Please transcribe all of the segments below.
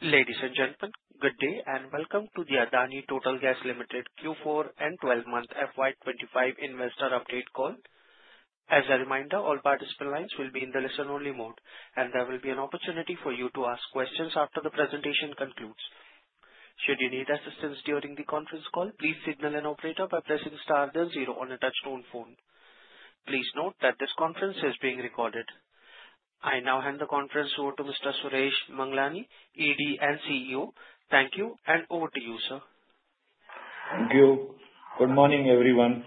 Ladies and gentlemen, good day and welcome to the Adani Total Gas Limited Q4 and 12-month FY25 investor update call. As a reminder, all participant lines will be in the listen-only mode, and there will be an opportunity for you to ask questions after the presentation concludes. Should you need assistance during the conference call, please signal an operator by pressing star then zero on a touch-tone phone. Please note that this conference is being recorded. I now hand the conference over to Mr. Suresh Manglani, ED and CEO. Thank you, and over to you, sir. Thank you. Good morning, everyone.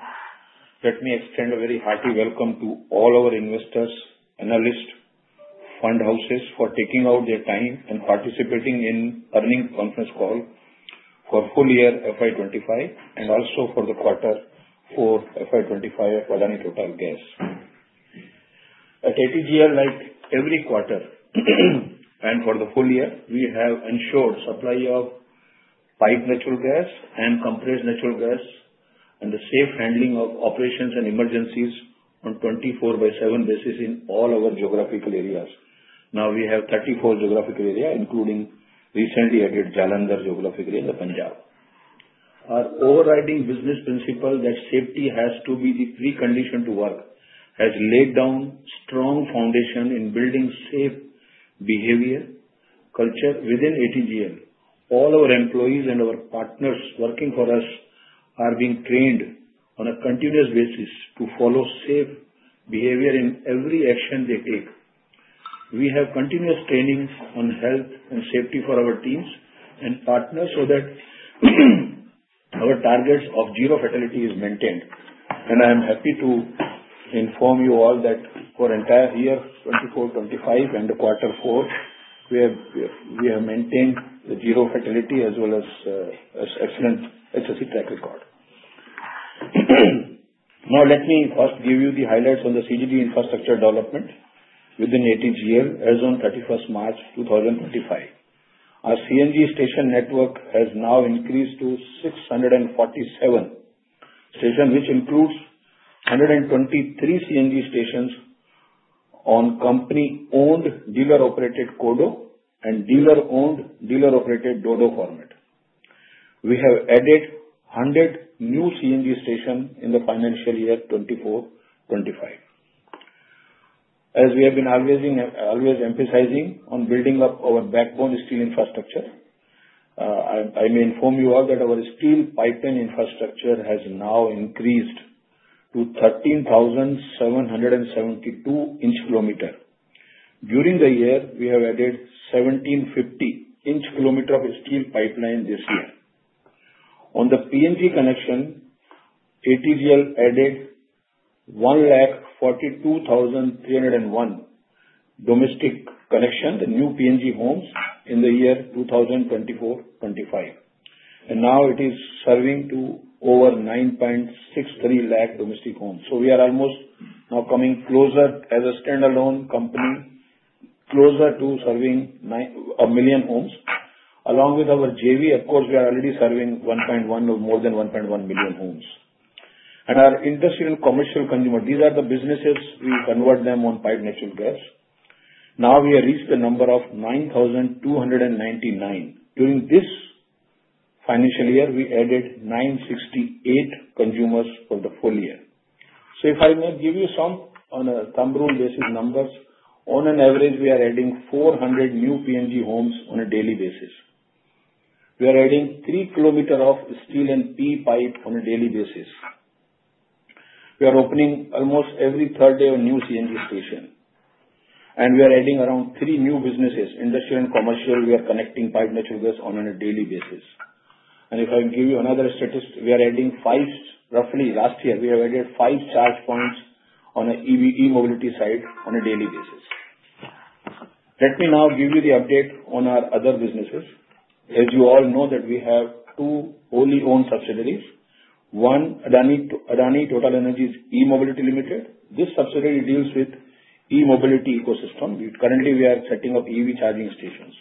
Let me extend a very hearty welcome to all our investors, analysts, and fund houses for taking out their time and participating in the earning conference call for full year FY2025 and also for the quarter for FY2025 of Adani Total Gas. At ATGL, like every quarter and for the full year, we have ensured supply of piped natural gas and compressed natural gas and the safe handling of operations and emergencies on a 24/7 basis in all our geographical areas. Now, we have 34 geographical areas, including recently added Jalandhar geographical area in Punjab. Our overriding business principle that safety has to be the precondition to work has laid down a strong foundation in building safe behavior and culture within ATGL. All our employees and our partners working for us are being trained on a continuous basis to follow safe behavior in every action they take. We have continuous training on health and safety for our teams and partners so that our target of zero fatality is maintained. I am happy to inform you all that for the entire year 2024/2025 and the Q4, we have maintained the zero fatality as well as excellent HSE track record. Now, let me first give you the highlights on the CGD infrastructure development within ATGL as of 31st, March 2025. Our CNG station network has now increased to 647 stations, which includes 123 CNG stations on company-owned, dealer-operated CODO and dealer-owned, dealer-operated DODO format. We have added 100 new CNG stations in the financial year 2024/2025. As we have been always emphasizing on building up our backbone steel infrastructure, I may inform you all that our steel pipeline infrastructure has now increased to 13,772 inch kilometers. During the year, we have added 1,750 inch kilometers of steel pipeline this year. On the PNG connection, ATGL added 142,301 domestic connections, the new PNG homes, in the year 2024/2025. It is now serving to over 963,000 domestic homes. We are almost now coming closer as a standalone company, closer to serving a million homes. Along with our JV, of course, we are already serving more than 1.1 million homes. Our industrial and commercial consumers, these are the businesses we convert them on piped natural gas. Now we have reached the number of 9,299. During this financial year, we added 968 consumers for the full year. If I may give you some, on a thumb rule basis, numbers, on an average, we are adding 400 new PNG homes on a daily basis. We are adding three kilometers of steel and PE pipe on a daily basis. We are opening almost every third day a new CNG station. We are adding around three new businesses, industrial and commercial, we are connecting piped natural gas on a daily basis. If I give you another statistic, roughly last year, we have added five charge points on an EV e-mobility side on a daily basis. Let me now give you the update on our other businesses. As you all know, we have two wholly owned subsidiaries. One, Adani Total Energies E-Mobility Limited. This subsidiary deals with the e-mobility ecosystem. Currently, we are setting up EV charging stations.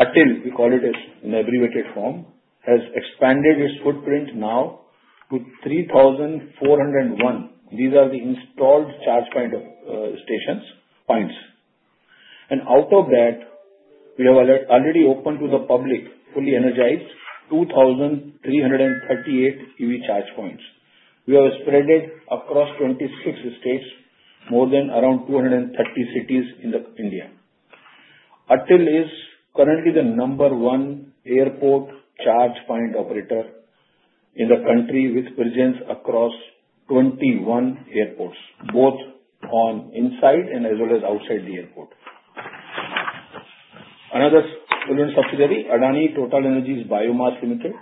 ATIL, we call it in abbreviated form, has expanded its footprint now to 3,401. These are the installed charge point stations. Out of that, we have already opened to the public fully energized 2,338 EV charge points. We have spread it across 26 states, more than around 230 cities in India. ATIL is currently the number one airport charge point operator in the country with presence across 21 airports, both on inside and as well as outside the airport. Another subsidiary, Adani Total Energies Biomass Limited.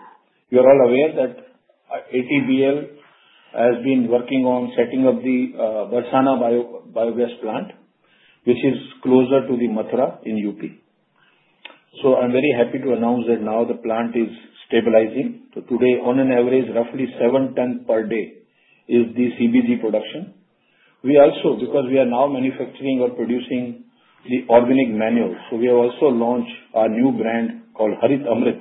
You are all aware that ATBL has been working on setting up the Bharsana biogas plant, which is closer to Mathura in Uttar Pradesh. I am very happy to announce that now the plant is stabilizing. Today, on an average, roughly seven tons per day is the CBG production. We also, because we are now manufacturing or producing the organic manure, have launched our new brand called Harith Amrit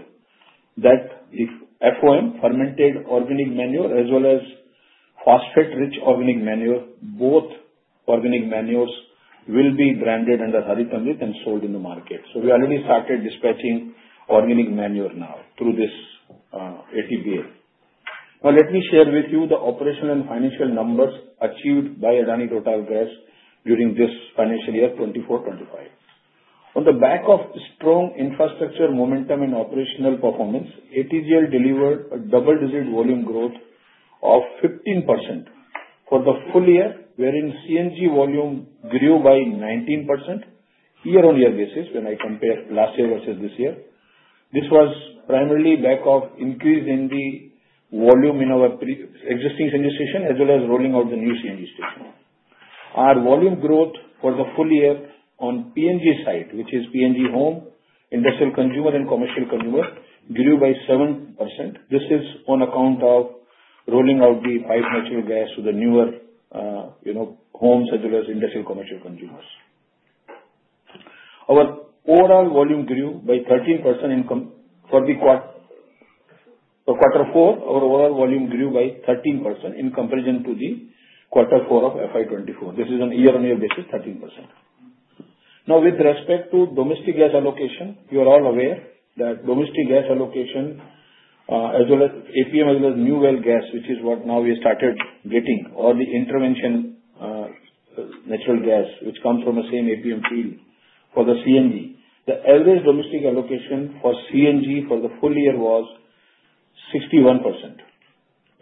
that is FOM, fermented organic manure, as well as phosphate-rich organic manure. Both organic manures will be branded under Harith Amrit and sold in the market. We already started dispatching organic manure now through this ATBL. Now, let me share with you the operational and financial numbers achieved by Adani Total Gas during this financial year 2024-2025. On the back of strong infrastructure momentum and operational performance, ATGL delivered a double-digit volume growth of 15% for the full year, wherein CNG volume grew by 19% year-on-year basis when I compare last year versus this year. This was primarily back of increase in the volume in our existing CNG station as well as rolling out the new CNG station. Our volume growth for the full year on PNG side, which is PNG home, industrial consumer, and commercial consumer, grew by 7%. This is on account of rolling out the piped natural gas to the newer homes as well as industrial commercial consumers. Our overall volume grew by 13% for the Q4. Our overall volume grew by 13% in comparison to the Q4 of FY2024. This is on a year-on-year basis, 13%. Now, with respect to domestic gas allocation, you are all aware that domestic gas allocation as well as APM, as well as new well gas, which is what now we started getting, or the intervention natural gas, which comes from the same APM field for the CNG. The average domestic allocation for CNG for the full year was 61%.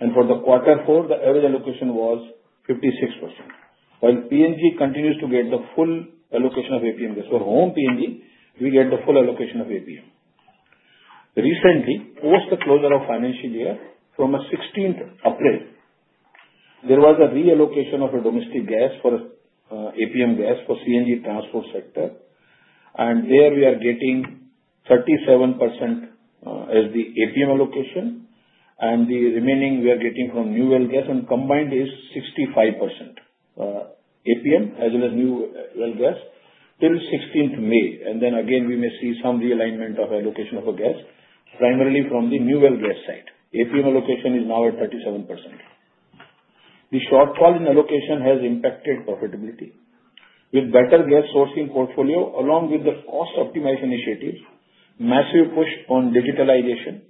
And for the Q4, the average allocation was 56%. While PNG continues to get the full allocation of APM gas. For home PNG, we get the full allocation of APM. Recently, post the closure of financial year from 16th April, there was a reallocation of domestic gas for APM gas for CNG transport sector. There we are getting 37% as the APM allocation. The remaining we are getting from new well gas and combined is 65% APM as well as new well gas till 16th May. We may see some realignment of allocation of gas, primarily from the new well gas side. APM allocation is now at 37%. The shortfall in allocation has impacted profitability. With better gas sourcing portfolio, along with the cost optimization initiatives, massive push on digitalization,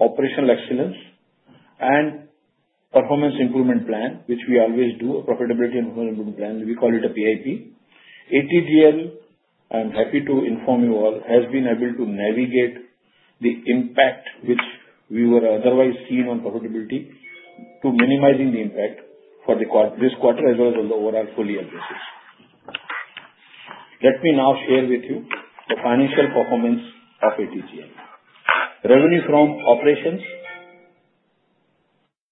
operational excellence, and performance improvement plan, which we always do, a profitability improvement plan, we call it a PIP, ATGL, I'm happy to inform you all, has been able to navigate the impact which we were otherwise seeing on profitability to minimizing the impact for this quarter as well as the overall full year basis. Let me now share with you the financial performance of ATGL. Revenue from operations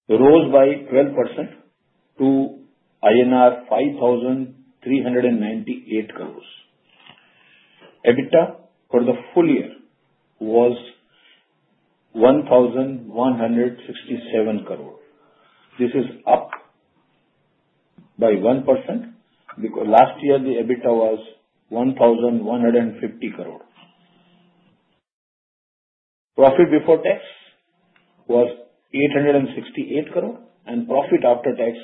rose by 12% to INR 5,398 crore. EBITDA for the full year was 1,167 crore. This is up by 1%. Last year, the EBITDA was 1,150 crore. Profit before tax was 868 crore, and profit after tax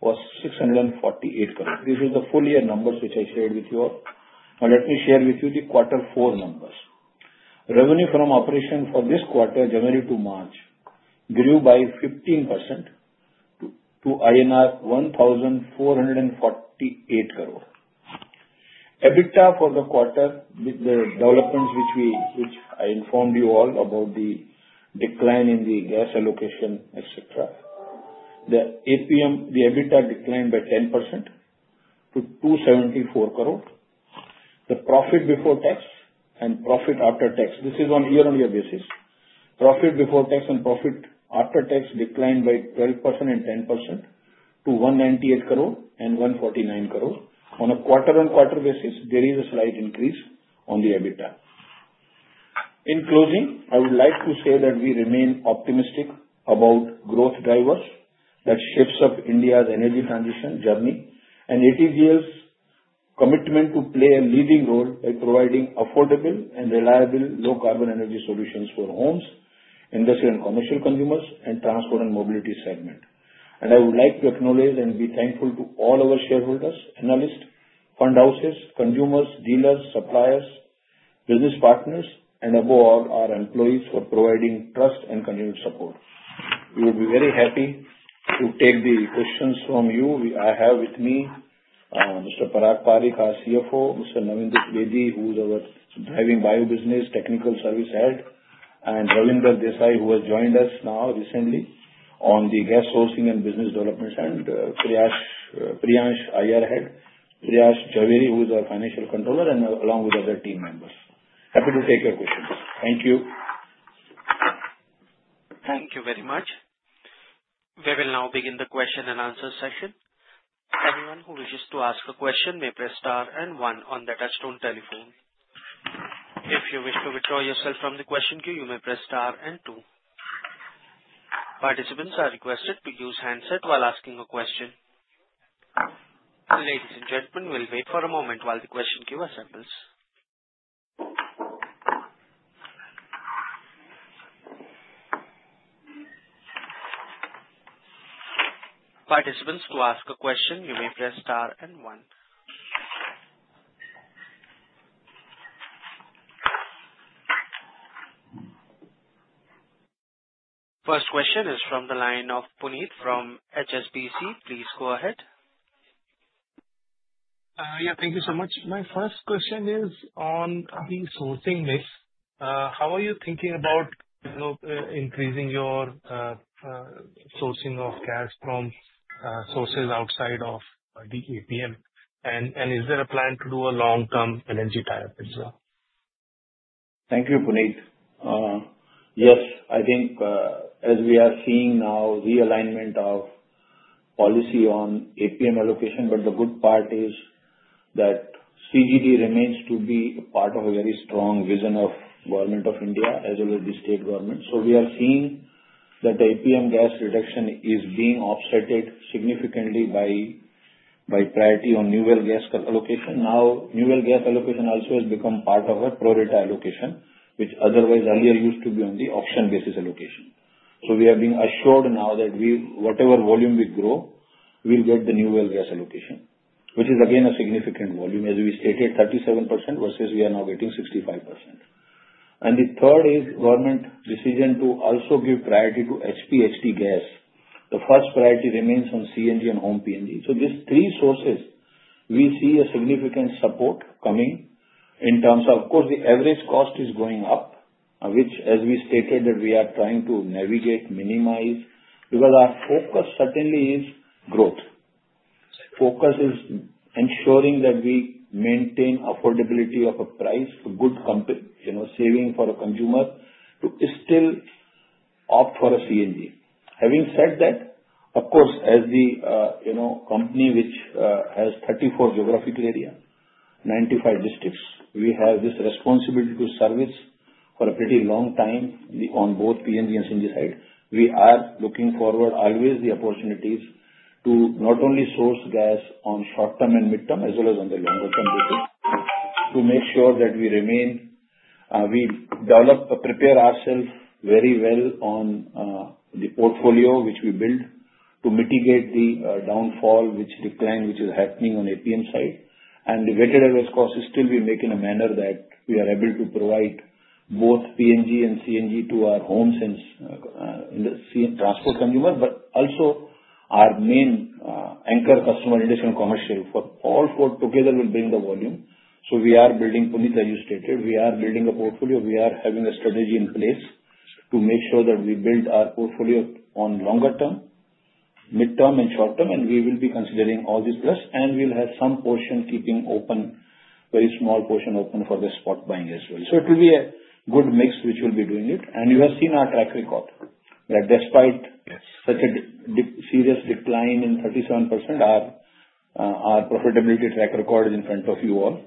was 648 crore. These are the full year numbers which I shared with you all. Now, let me share with you the Q4 numbers. Revenue from operation for this quarter, January to March, grew by 15% to INR 1,448 crore. EBITDA for the quarter with the developments which I informed you all about the decline in the gas allocation, et cetera. The EBITDA declined by 10% to 274 crore. The profit before tax and profit after tax, this is on a year-on-year basis. Profit before tax and profit after tax declined by 12% and 10% to 198 crore and 149 crore. On a quarter-on-quarter basis, there is a slight increase on the EBITDA. In closing, I would like to say that we remain optimistic about growth drivers that shapes up India's energy transition journey and ATGL's commitment to play a leading role by providing affordable and reliable low-carbon energy solutions for homes, industrial and commercial consumers, and transport and mobility segment. I would like to acknowledge and be thankful to all our shareholders, analysts, fund houses, consumers, dealers, suppliers, business partners, and above all, our employees for providing trust and continued support. We would be very happy to take the questions from you. I have with me Mr. Parag Parik, our CFO, Mr. Navindu Trivedi, who is our driving bio business technical service head, and Ravinder Desai, who has joined us now recently on the gas sourcing and business development, and Priyansh, IR head, Priyash Jhaveri, who is our financial controller, and along with other team members. Happy to take your questions. Thank you. Thank you very much. We will now begin the question and answer session. Anyone who wishes to ask a question may press star and one on the touchstone telephone. If you wish to withdraw yourself from the question queue, you may press star and two. Participants are requested to use handset while asking a question. Ladies and gentlemen, we'll wait for a moment while the question queue assembles. Participants to ask a question, you may press star and one. First question is from the line of Puneet from HSBC. Please go ahead. Yeah, thank you so much. My first question is on the sourcing mix. How are you thinking about increasing your sourcing of gas from sources outside of the APM? And is there a plan to do a long-term energy tariff as well? Thank you, Puneet. Yes, I think as we are seeing now realignment of policy on APM allocation, but the good part is that CGD remains to be a part of a very strong vision of government of India as well as the state government. We are seeing that the APM gas reduction is being offset significantly by priority on new well gas allocation. Now, new well gas allocation also has become part of a prorata allocation, which otherwise earlier used to be on the option basis allocation. We are being assured now that whatever volume we grow, we'll get the new well gas allocation, which is again a significant volume, as we stated, 37% versus we are now getting 65%. The third is government decision to also give priority to HPHT gas. The first priority remains on CNG and home PNG. These three sources, we see a significant support coming in terms of, of course, the average cost is going up, which, as we stated, we are trying to navigate, minimize, because our focus certainly is growth. Focus is ensuring that we maintain affordability of a price, good saving for a consumer to still opt for a CNG. Having said that, of course, as the company which has 34 geographical areas, 95 districts, we have this responsibility to service for a pretty long time on both PNG and CNG side. We are looking forward always the opportunities to not only source gas on short-term and mid-term as well as on the longer-term basis to make sure that we remain, we develop, prepare ourselves very well on the portfolio which we build to mitigate the downfall, which decline, which is happening on APM side. The weighted average cost is still we make in a manner that we are able to provide both PNG and CNG to our homes and transport consumers, but also our main anchor customer industry and commercial for all four together will bring the volume. We are building, Puneet, as you stated, we are building a portfolio. We are having a strategy in place to make sure that we build our portfolio on longer-term, mid-term, and short-term, and we will be considering all these plus. We will have some portion keeping open, very small portion open for the spot buying as well. It will be a good mix which we'll be doing it. You have seen our track record that despite such a serious decline in 37%, our profitability track record is in front of you all.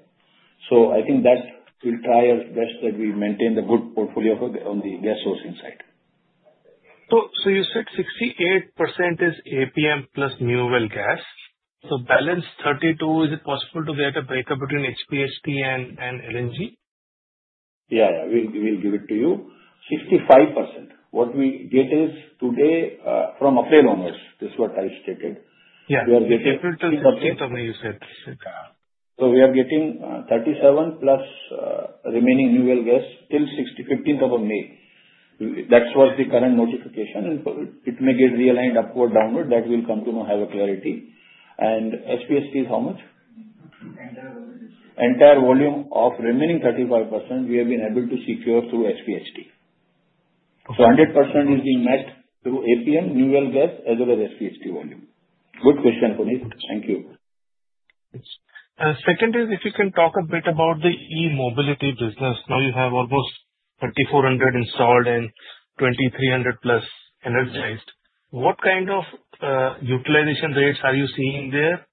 I think that we'll try our best that we maintain the good portfolio on the gas sourcing side. You said 68% is APM plus new well gas. Balance 32%, is it possible to get a breakup between HPHT and LNG? Yeah, yeah. We'll give it to you. 65% what we get is today from applied owners. This is what I stated. We are getting 15th of May, you said. We are getting 37 plus remaining new well gas till 15th of May. That's what the current notification is. It may get realigned upward, downward. That will come to have a clarity. HPHT is how much? Entire volume. Entire volume of remaining 35% we have been able to secure through HPHT. 100% is being met through APM, new well gas, as well as HPHT volume. Good question, Puneet. Thank you. Second is if you can talk a bit about the e-mobility business. Now you have almost 2,400 installed and 2,300+ energized. What kind of utilization rates are you seeing there?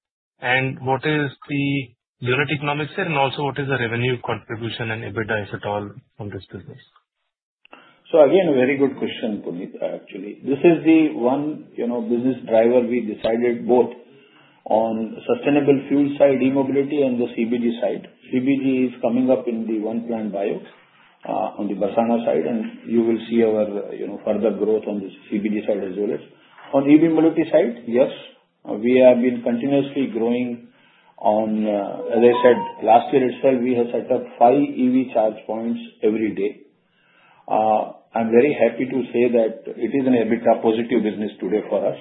What is the unit economics there? Also, what is the revenue contribution and EBITDA, if at all, from this business? Very good question, Puneet, actually. This is the one business driver we decided both on sustainable fuel side, e-mobility, and the CBG side. CBG is coming up in the one-plant bio on the Bharsana side. You will see our further growth on the CBG side as well. On e-mobility side, yes. We have been continuously growing on, as I said, last year itself, we have set up five EV charge points every day. I am very happy to say that it is an EBITDA positive business today for us.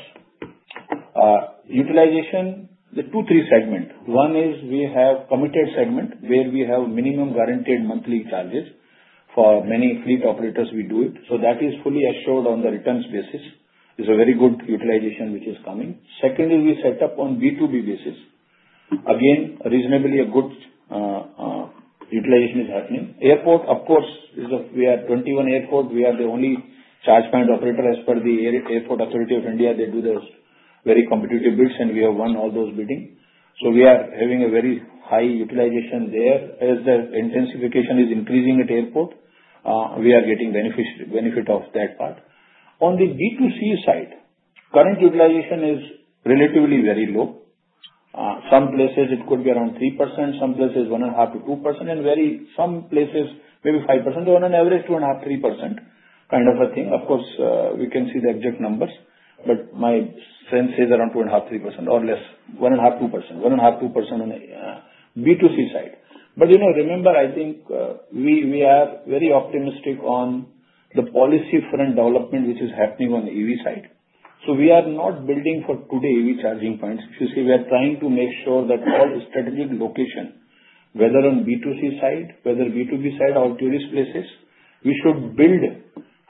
Utilization, the two, three segment. One is we have committed segment where we have minimum guaranteed monthly charges for many fleet operators we do it. So that is fully assured on the returns basis. It's a very good utilization which is coming. Second is we set up on B2B basis. Again, reasonably a good utilization is happening. Airport, of course, we are 21 airports. We are the only charge point operator as per the Airport Authority of India. They do the very competitive bids, and we have won all those bidding. We are having a very high utilization there. As the intensification is increasing at airport, we are getting benefit of that part. On the B2C side, current utilization is relatively very low. Some places it could be around 3%, some places 1.5%-2%, and some places maybe 5%, or on an average 2.5%-3% kind of a thing. Of course, we can see the exact numbers, but my friend says around 2.5%-3% or less. 1.5%-2%. 1.5%-2% on the B2C side. Remember, I think we are very optimistic on the policy front development which is happening on the EV side. We are not building for today EV charging points. You see, we are trying to make sure that all strategic location, whether on B2C side, whether B2B side, or tourist places, we should build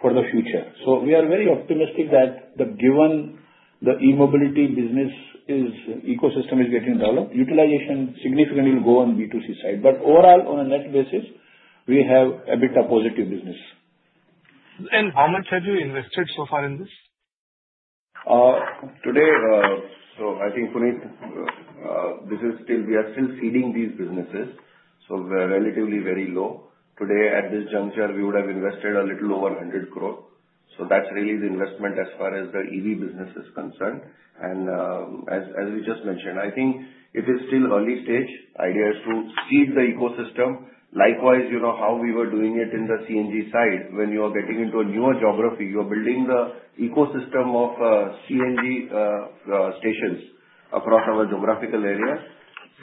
for the future. We are very optimistic that given the e-mobility business ecosystem is getting developed, utilization significantly will go on B2C side. Overall, on a net basis, we have EBITDA positive business. How much have you invested so far in this? Today, I think, Puneet, we are still feeding these businesses. We are relatively very low. Today, at this juncture, we would have invested a little over 100 crore. That is really the investment as far as the EV business is concerned. As we just mentioned, I think it is still early stage. The idea is to seed the ecosystem. Likewise, how we were doing it on the CNG side, when you are getting into a newer geography, you are building the ecosystem of CNG stations across our geographical areas.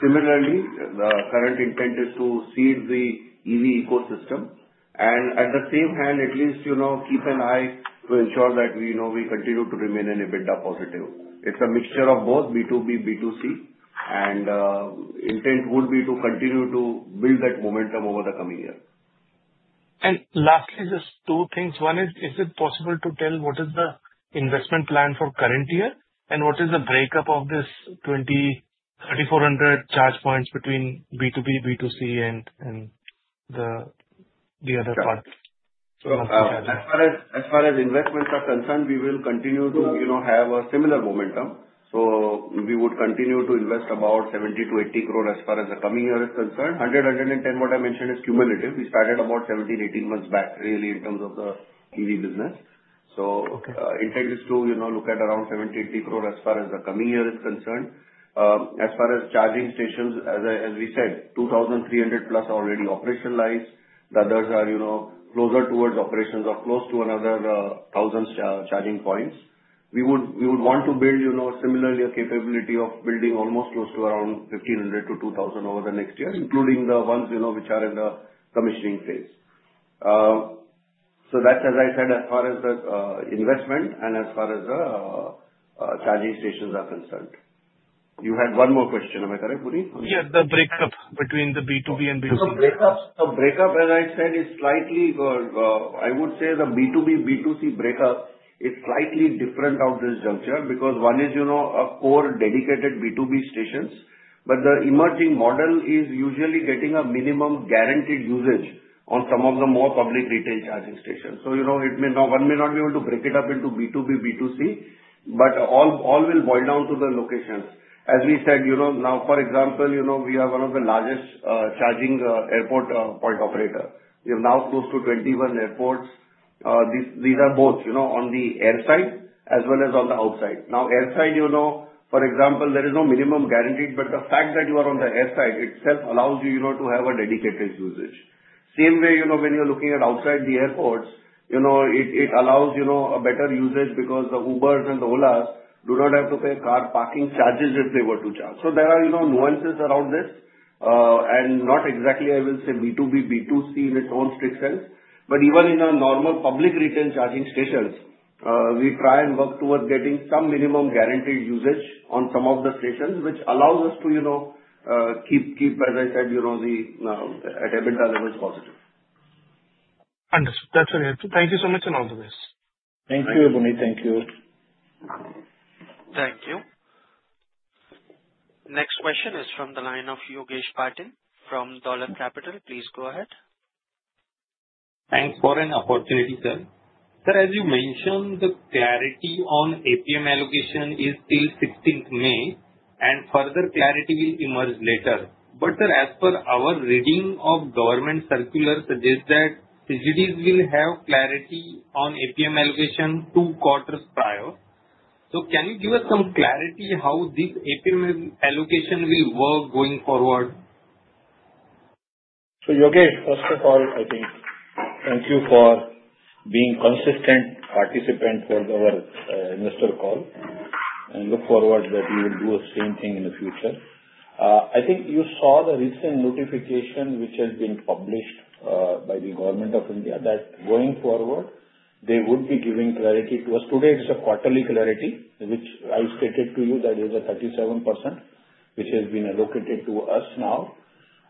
Similarly, the current intent is to seed the EV ecosystem. At the same hand, at least keep an eye to ensure that we continue to remain EBITDA positive. It is a mixture of both B2B, B2C, and intent would be to continue to build that momentum over the coming year. Lastly, just two things. One is, is it possible to tell what is the investment plan for current year? What is the breakup of this 3,400 charge points between B2B, B2C, and the other part? Yes. As far as investments are concerned, we will continue to have a similar momentum. We would continue to invest about 70 core-80 crore as far as the coming year is concerned. 100 crore-110 crore, what I mentioned is cumulative. We started about 17 months-18 months back, really, in terms of the EV business. The intent is to look at around 70 crore-80 crore as far as the coming year is concerned. As far as charging stations, as we said, 2,300+ already operationalized. The others are closer towards operations or close to another 1,000 charging points. We would want to build similarly a capability of building almost close to around 1,500-2,000 over the next year, including the ones which are in the commissioning phase. That's, as I said, as far as the investment and as far as the charging stations are concerned. You had one more question. Am I correct, Puneet? Yeah, the breakup between the B2B and B2C. Breakup, as I said, is slightly, I would say, the B2B, B2C breakup is slightly different at this juncture because one is a core dedicated B2B stations, but the emerging model is usually getting a minimum guaranteed usage on some of the more public retail charging stations. One may not be able to break it up into B2B, B2C, but all will boil down to the locations. As we said, now, for example, we have one of the largest charging airport point operator. We have now close to 21 airports. These are both on the air side as well as on the outside. Now, air side, for example, there is no minimum guaranteed, but the fact that you are on the air side itself allows you to have a dedicated usage. Same way, when you're looking at outside the airports, it allows a better usage because the Ubers and the Olas do not have to pay car parking charges if they were to charge. There are nuances around this. Not exactly, I will say, B2B, B2C in its own strict sense. Even in our normal public retail charging stations, we try and work towards getting some minimum guaranteed usage on some of the stations, which allows us to keep, as I said, the EBITDA levels positive. Understood. That's very helpful. Thank you so much and all the best. Thank you, Puneet. Thank you. Thank you. Next question is from the line of Yogesh Patil from Dollar Capital. Please go ahead. Thanks for an opportunity, sir. Sir, as you mentioned, the clarity on APM allocation is till 16th May, and further clarity will emerge later. As per our reading of government circular, it suggests that CGDs will have clarity on APM allocation two quarters prior. Can you give us some clarity how this APM allocation will work going forward? Yogesh, first of all, thank you for being a consistent participant for our investor call. I look forward that we will do the same thing in the future. I think you saw the recent notification which has been published by the Government of India that going forward, they would be giving clarity to us. Today, it's a quarterly clarity, which I stated to you that is a 37% which has been allocated to us now.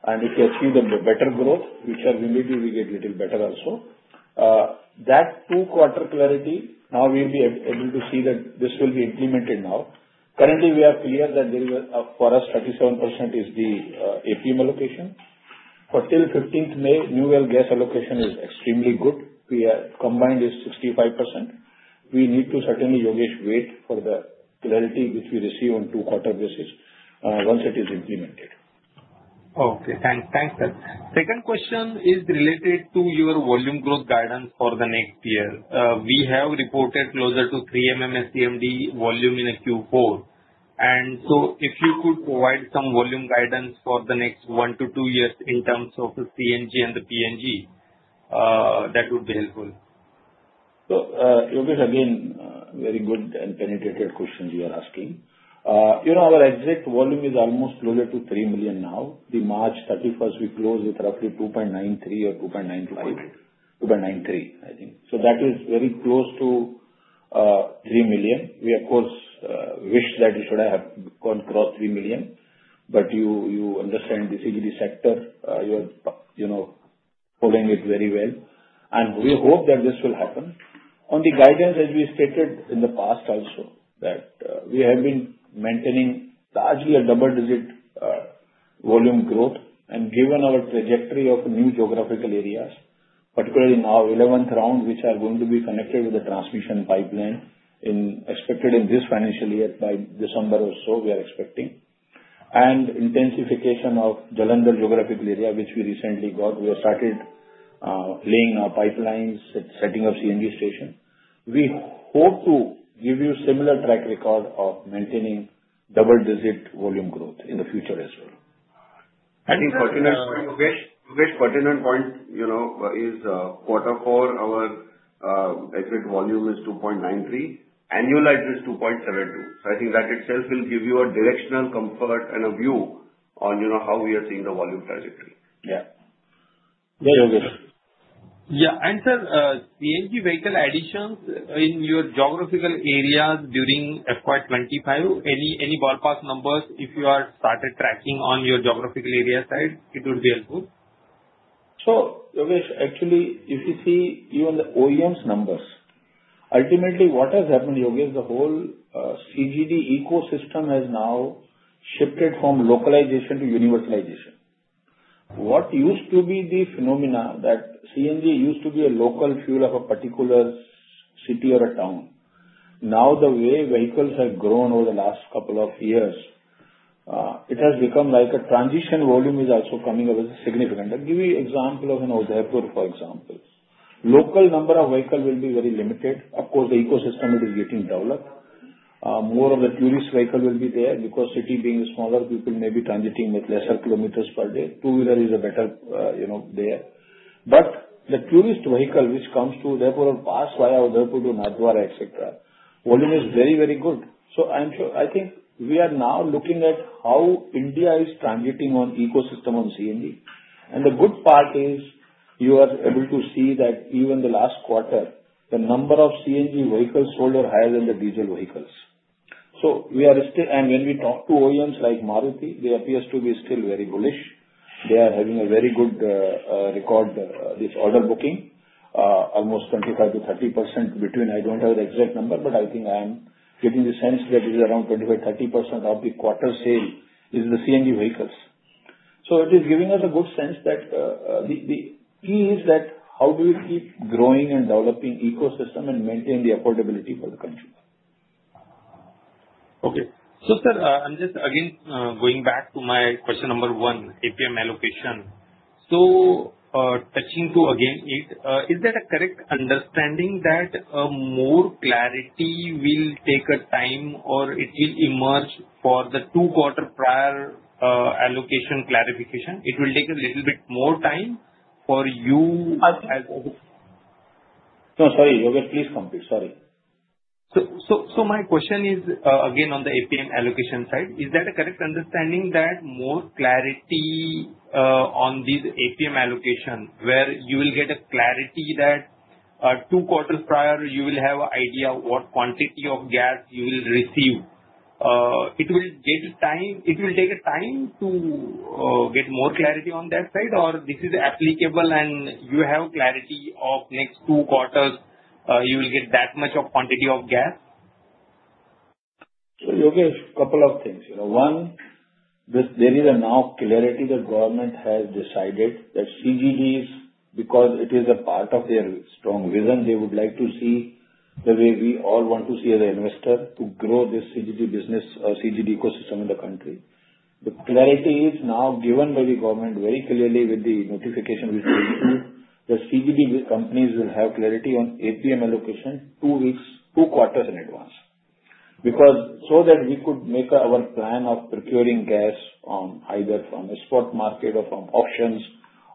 If we achieve a better growth, which we maybe will get a little better also, that two-quarter clarity, now we'll be able to see that this will be implemented now. Currently, we are clear that for us, 37% is the APM allocation. Till 15th May, new well gas allocation is extremely good. Combined, it's 65%. We need to certainly, Yogesh, wait for the clarity which we receive on a two-quarter basis once it is implemented. Okay. Thanks. Thanks, sir. Second question is related to your volume growth guidance for the next year. We have reported closer to 3 MMSCMD volume in Q4. If you could provide some volume guidance for the next one-to-two years in terms of the CNG and the PNG, that would be helpful. Yogesh, again, very good and penetrated questions you are asking. Our exact volume is almost closer to 3 million now. The March 31st, we closed with roughly 2.93 or 2.95. 2.93, I think. That is very close to 3 million. We, of course, wish that we should have gone across 3 million. You understand the CGD sector. You are following it very well. We hope that this will happen. On the guidance, as we stated in the past also, we have been maintaining largely a double-digit volume growth. Given our trajectory of new geographical areas, particularly now 11th round, which are going to be connected with the transmission pipeline, expected in this financial year by December or so, we are expecting. Intensification of Jalandhar geographical area, which we recently got. We have started laying our pipelines, setting up CNG station. We hope to give you a similar track record of maintaining double-digit volume growth in the future as well. I think, Yogesh, pertinent point is Q4, our exit volume is 2.93. Annualized is 2.72. I think that itself will give you a directional comfort and a view on how we are seeing the volume trajectory. Yeah. Yes, Yogesh. Yeah. Sir, CNG vehicle additions in your geographical area during FY2025, any ballpark numbers if you are started tracking on your geographical area side, it would be helpful. Yogesh, actually, if you see even the OEMs' numbers, ultimately, what has happened, Yogesh, the whole CGD ecosystem has now shifted from localization to universalization. What used to be the phenomena that CNG used to be a local fuel of a particular city or a town, now the way vehicles have grown over the last couple of years, it has become like a transition volume is also coming up as a significant. I'll give you an example of Udaipur, for example. Local number of vehicles will be very limited. Of course, the ecosystem is getting developed. More of the tourist vehicle will be there because city being smaller, people may be transiting with lesser kilometers per day. Two-wheeler is better there. The tourist vehicle which comes to Udaipur or pass via Udaipur to Nathdwara, etc., volume is very, very good. I think we are now looking at how India is transiting on ecosystem on CNG. The good part is you are able to see that even the last quarter, the number of CNG vehicles sold were higher than the diesel vehicles. We are still, and when we talk to OEMs like Maruti Suzuki, they appear to be still very bullish. They are having a very good record, this order booking, almost 25%-30% between. I do not have the exact number, but I think I am getting the sense that it is around 25%-30% of the quarter sale is the CNG vehicles. It is giving us a good sense that the key is that how do we keep growing and developing ecosystem and maintain the affordability for the country? Okay. Sir, I am just again going back to my question number one, APM allocation. Touching to again it, is that a correct understanding that more clarity will take time or it will emerge for the two-quarter prior allocation clarification? It will take a little bit more time for you as? No, sorry, Yogesh, please complete. Sorry. My question is again on the APM allocation side, is that a correct understanding that more clarity on this APM allocation where you will get a clarity that two quarters prior, you will have an idea of what quantity of gas you will receive? It will take time to get more clarity on that side, or this is applicable and you have clarity of next two quarters, you will get that much of quantity of gas? Yogesh, a couple of things. One, there is now clarity that government has decided that CGDs, because it is a part of their strong vision, they would like to see the way we all want to see as an investor to grow this CGD business or CGD ecosystem in the country. The clarity is now given by the government very clearly with the notification which we issued that CGD companies will have clarity on APM allocation two quarters in advance. That way we could make our plan of procuring gas either from a spot market or from auctions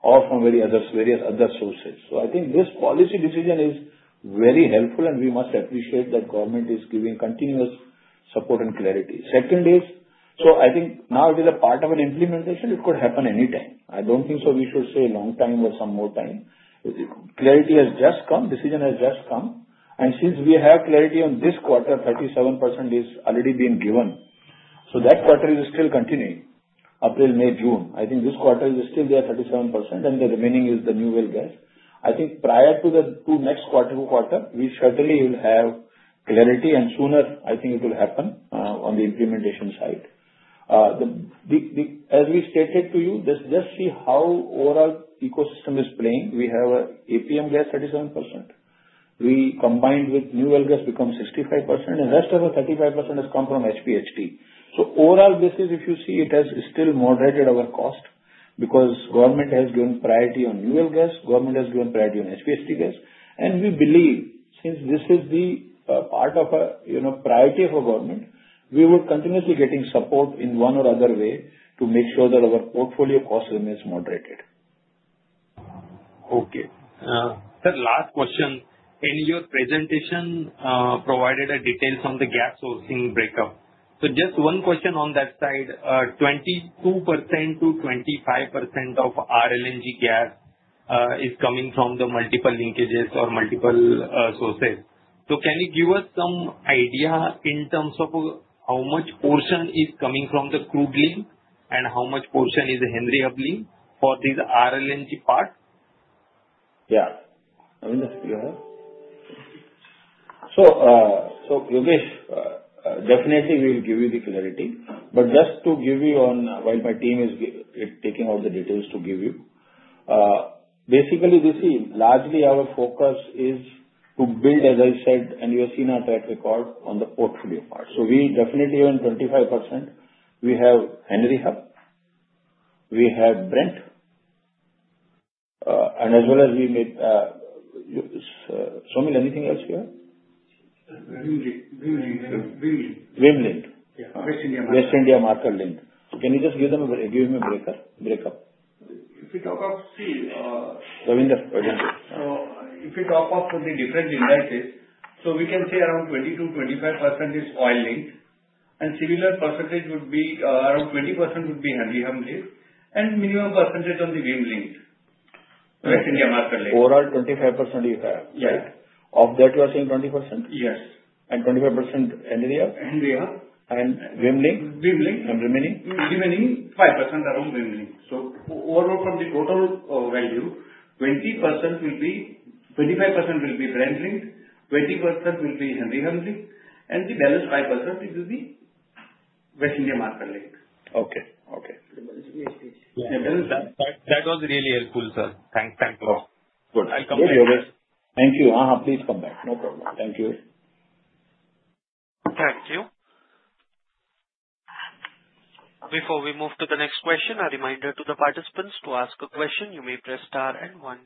or from various other sources. I think this policy decision is very helpful, and we must appreciate that government is giving continuous support and clarity. Second is, I think now it is a part of an implementation. It could happen anytime. I don't think we should say long time or some more time. Clarity has just come. Decision has just come. Since we have clarity on this quarter, 37% is already being given. That quarter is still continuing, April, May, June. I think this quarter is still there at 37%, and the remaining is the new well gas. I think prior to the next quarter, we certainly will have clarity, and sooner, I think it will happen on the implementation side. As we stated to you, let's just see how overall ecosystem is playing. We have APM gas 37%. We combined with new well gas becomes 65%, and the rest of the 35% has come from HPHT. Overall, if you see, it has still moderated our cost because government has given priority on new well gas. Government has given priority on HPHT gas. We believe, since this is the part of priority of our government, we will continuously be getting support in one or other way to make sure that our portfolio cost remains moderated. Okay. Sir, last question. In your presentation, you provided details on the gas sourcing breakup. Just one question on that side. 22%-25% of RLNG gas is coming from the multiple linkages or multiple sources. Can you give us some idea in terms of how much portion is coming from the crude link and how much portion is Henry Hub link for this RLNG part? Yeah. I will just go ahead. Yogesh, definitely, we will give you the clarity. Just to give you, while my team is taking all the details to give you, basically, this is largely our focus is to build, as I said, and you have seen our track record on the portfolio part. We definitely have 25%. We have Henry Hub. We have Brent. As well as we may, Swamy, anything else you have? Wim Lind. Wim Lind. Yeah. West India Market. West India Market Lind. Can you just give him a breakup? If we talk of, see, Swamy, the, if we talk of the different indices, we can say around 22%-25% is oil linked. A similar percentage would be around 20% would be Henry Hub linked. A minimum percentage on the Wim Lind, West India Market linked. Overall, 25% you have. Yeah. Of that, you are saying 20%? Yes. And 25% Henry Hub? Henry Hub. Wim Lind? Wim Lind. Remaining 5% around Wim Lind. Overall, from the total value, 20% will be Brent linked, 20% will be Henry Hub linked, and the balance 5% will be West India Market linked. Okay. Okay. That was really helpful, sir. Thank you. Good. I'll come back. Thank you. Please come back. No problem. Thank you. Thank you. Before we move to the next question, a reminder to the participants to ask a question. You may press star and one.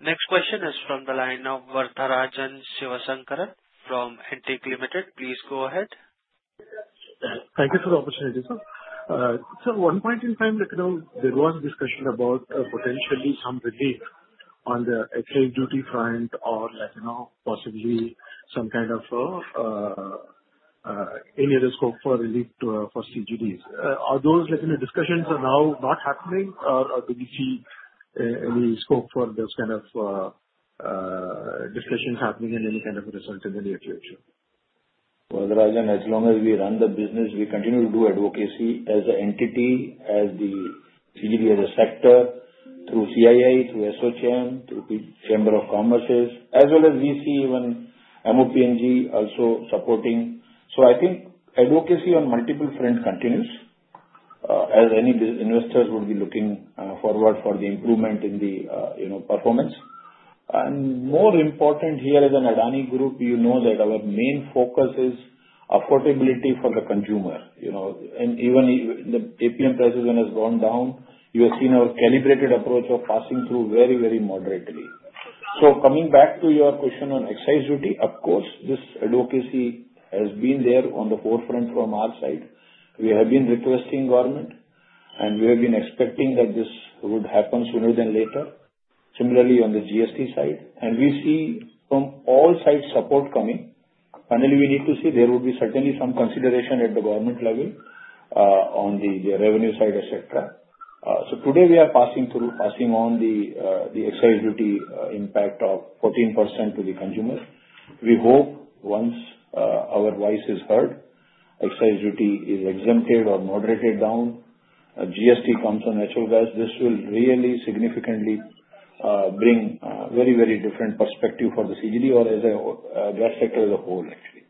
Next question is from the line of Vartharajan Shivasankaran from Antique Limited. Please go ahead. Thank you for the opportunity, sir. Sir, one point in time, there was a discussion about potentially some relief on the excise duty front or possibly some kind of any other scope for relief for CGDs. Are those discussions now not happening, or do we see any scope for those kind of discussions happening and any kind of result in the near future? Vartharajan, as long as we run the business, we continue to do advocacy as an entity, as the CGD as a sector, through CII, through SOCHM, through Chamber of Commerce, as well as we see even MOPNG also supporting. I think advocacy on multiple fronts continues, as any investors would be looking forward for the improvement in the performance. More important here, as an Adani Group, you know that our main focus is affordability for the consumer. Even the APM prices, when it has gone down, you have seen our calibrated approach of passing through very, very moderately. Coming back to your question on excise duty, of course, this advocacy has been there on the forefront from our side. We have been requesting government, and we have been expecting that this would happen sooner than later, similarly on the GST side. We see from all sides support coming. Finally, we need to see there would be certainly some consideration at the government level on the revenue side, etc. Today, we are passing through, passing on the excise duty impact of 14% to the consumer. We hope once our voice is heard, excise duty is exempted or moderated down, GST comes on natural gas. This will really significantly bring a very, very different perspective for the CGD or as a gas sector as a whole, actually.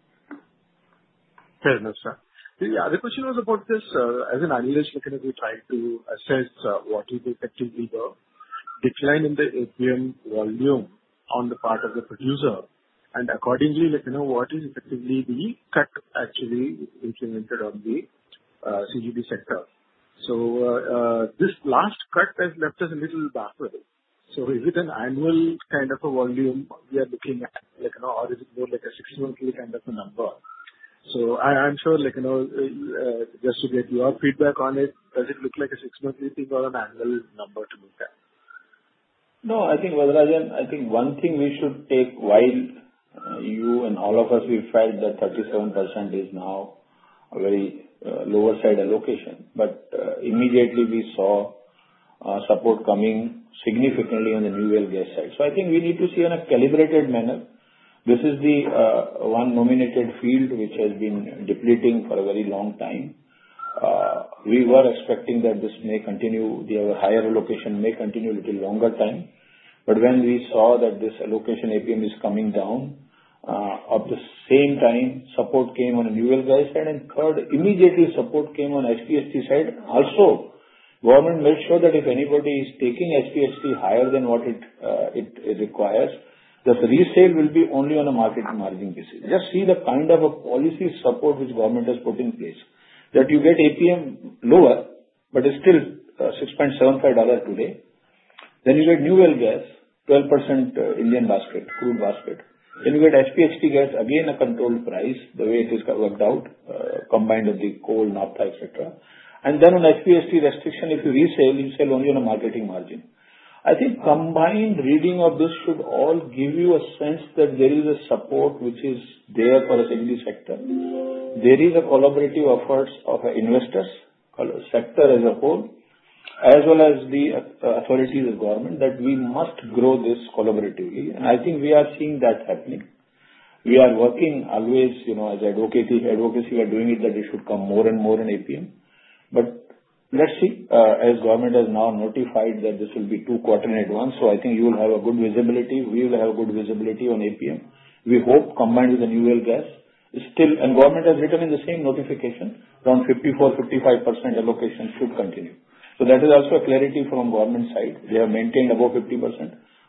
Fair enough, sir. The other question was about this. As an analyst, we tried to assess what is effectively the decline in the APM volume on the part of the producer. Accordingly, what is effectively the cut actually implemented on the CGD sector? This last cut has left us a little baffled. Is it an annual kind of a volume we are looking at, or is it more like a six-monthly kind of a number? I am sure, just to get your feedback on it, does it look like a six-monthly thing or an annual number to look at? No, I think, Vartharajan, one thing we should take while you and all of us, we felt that 37% is now a very lower side allocation. Immediately, we saw support coming significantly on the new well gas side. I think we need to see in a calibrated manner. This is the one nominated field which has been depleting for a very long time. We were expecting that this may continue. The higher allocation may continue a little longer time. When we saw that this allocation APM is coming down, at the same time, support came on the new well gas side. Third, immediately, support came on HPHT side. Also, government made sure that if anybody is taking HPHT higher than what it requires, that the resale will be only on a market margin basis. Just see the kind of a policy support which government has put in place that you get APM lower, but it's still $6.75 today. You get new well gas, 12% Indian crude basket. You get HPHT gas, again, a controlled price, the way it is worked out, combined with the coal, naphtha, etc. On HPHT restriction, if you resale, you sell only on a marketing margin. I think combined reading of this should all give you a sense that there is a support which is there for a CGD sector. There is a collaborative effort of investors, sector as a whole, as well as the authorities of government that we must grow this collaboratively. I think we are seeing that happening. We are working always as advocacy. Advocacy we are doing it that it should come more and more in APM. Let's see. As government has now notified that this will be two-quarter in advance, I think you will have a good visibility. We will have a good visibility on APM. We hope combined with the new well gas is still, and government has written in the same notification, around 54%-55% allocation should continue. That is also a clarity from government side. They have maintained above 50%.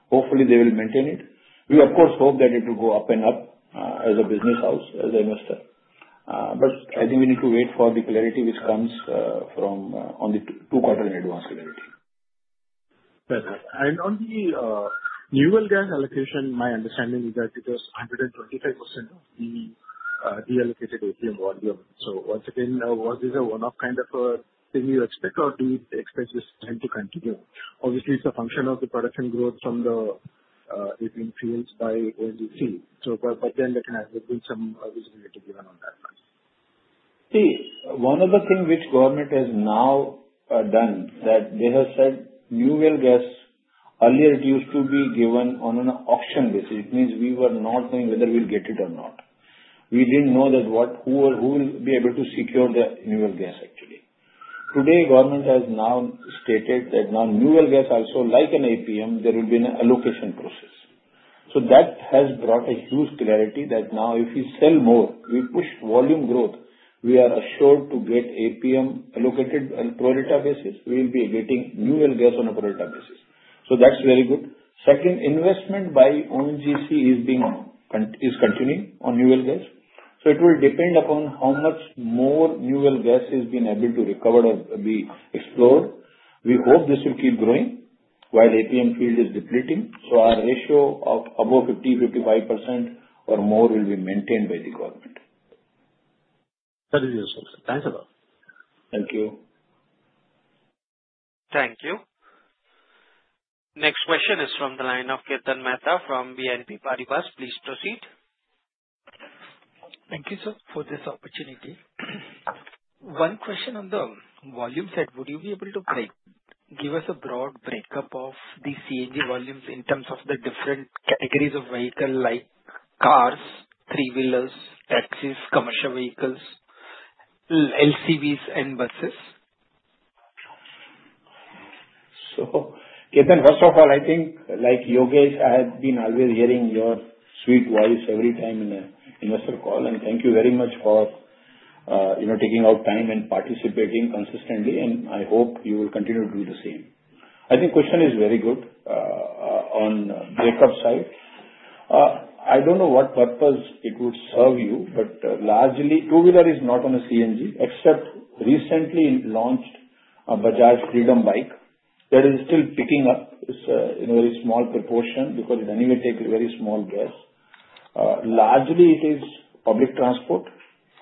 Hopefully, they will maintain it. We, of course, hope that it will go up and up as a business house, as an investor. I think we need to wait for the clarity which comes from on the two-quarter in advance clarity. On the new well gas allocation, my understanding is that it is 125% of the deallocated APM volume. Once again, was this a one-off kind of a thing you expect, or do you expect this trend to continue? Obviously, it's a function of the production growth from the APM fields by when you see. There has been some visibility given on that. See, one other thing which government has now done is that they have said new well gas, earlier, it used to be given on an auction basis. It means we were not knowing whether we'll get it or not. We didn't know who will be able to secure the new well gas, actually. Today, government has now stated that now new well gas also, like an APM, there will be an allocation process. That has brought a huge clarity that now if we sell more, we push volume growth, we are assured to get APM allocated on a per-order basis. We will be getting new well gas on a per-order basis. That is very good. Second, investment by ONGC is continuing on new well gas. It will depend upon how much more new well gas has been able to recover or be explored. We hope this will keep growing while APM field is depleting. Our ratio of above 50%-55% or more will be maintained by the government. That is useful. Thanks a lot. Thank you. Thank you. Next question is from the line of Kirtan Mehta from BNP Paribas. Please proceed. Thank you, sir, for this opportunity. One question on the volume side. Would you be able to give us a broad breakup of the CNG volumes in terms of the different categories of vehicle like cars, three-wheelers, taxis, commercial vehicles, LCVs, and buses? Kirtan, first of all, I think, like Yogesh, I have been always hearing your sweet voice every time in an investor call. Thank you very much for taking out time and participating consistently. I hope you will continue to do the same. I think the question is very good on the breakup side. I don't know what purpose it would serve you, but largely, two-wheeler is not on the CNG, except recently launched Bajaj Freedom Bike that is still picking up a very small proportion because it anyway takes very small gas. Largely, it is public transport,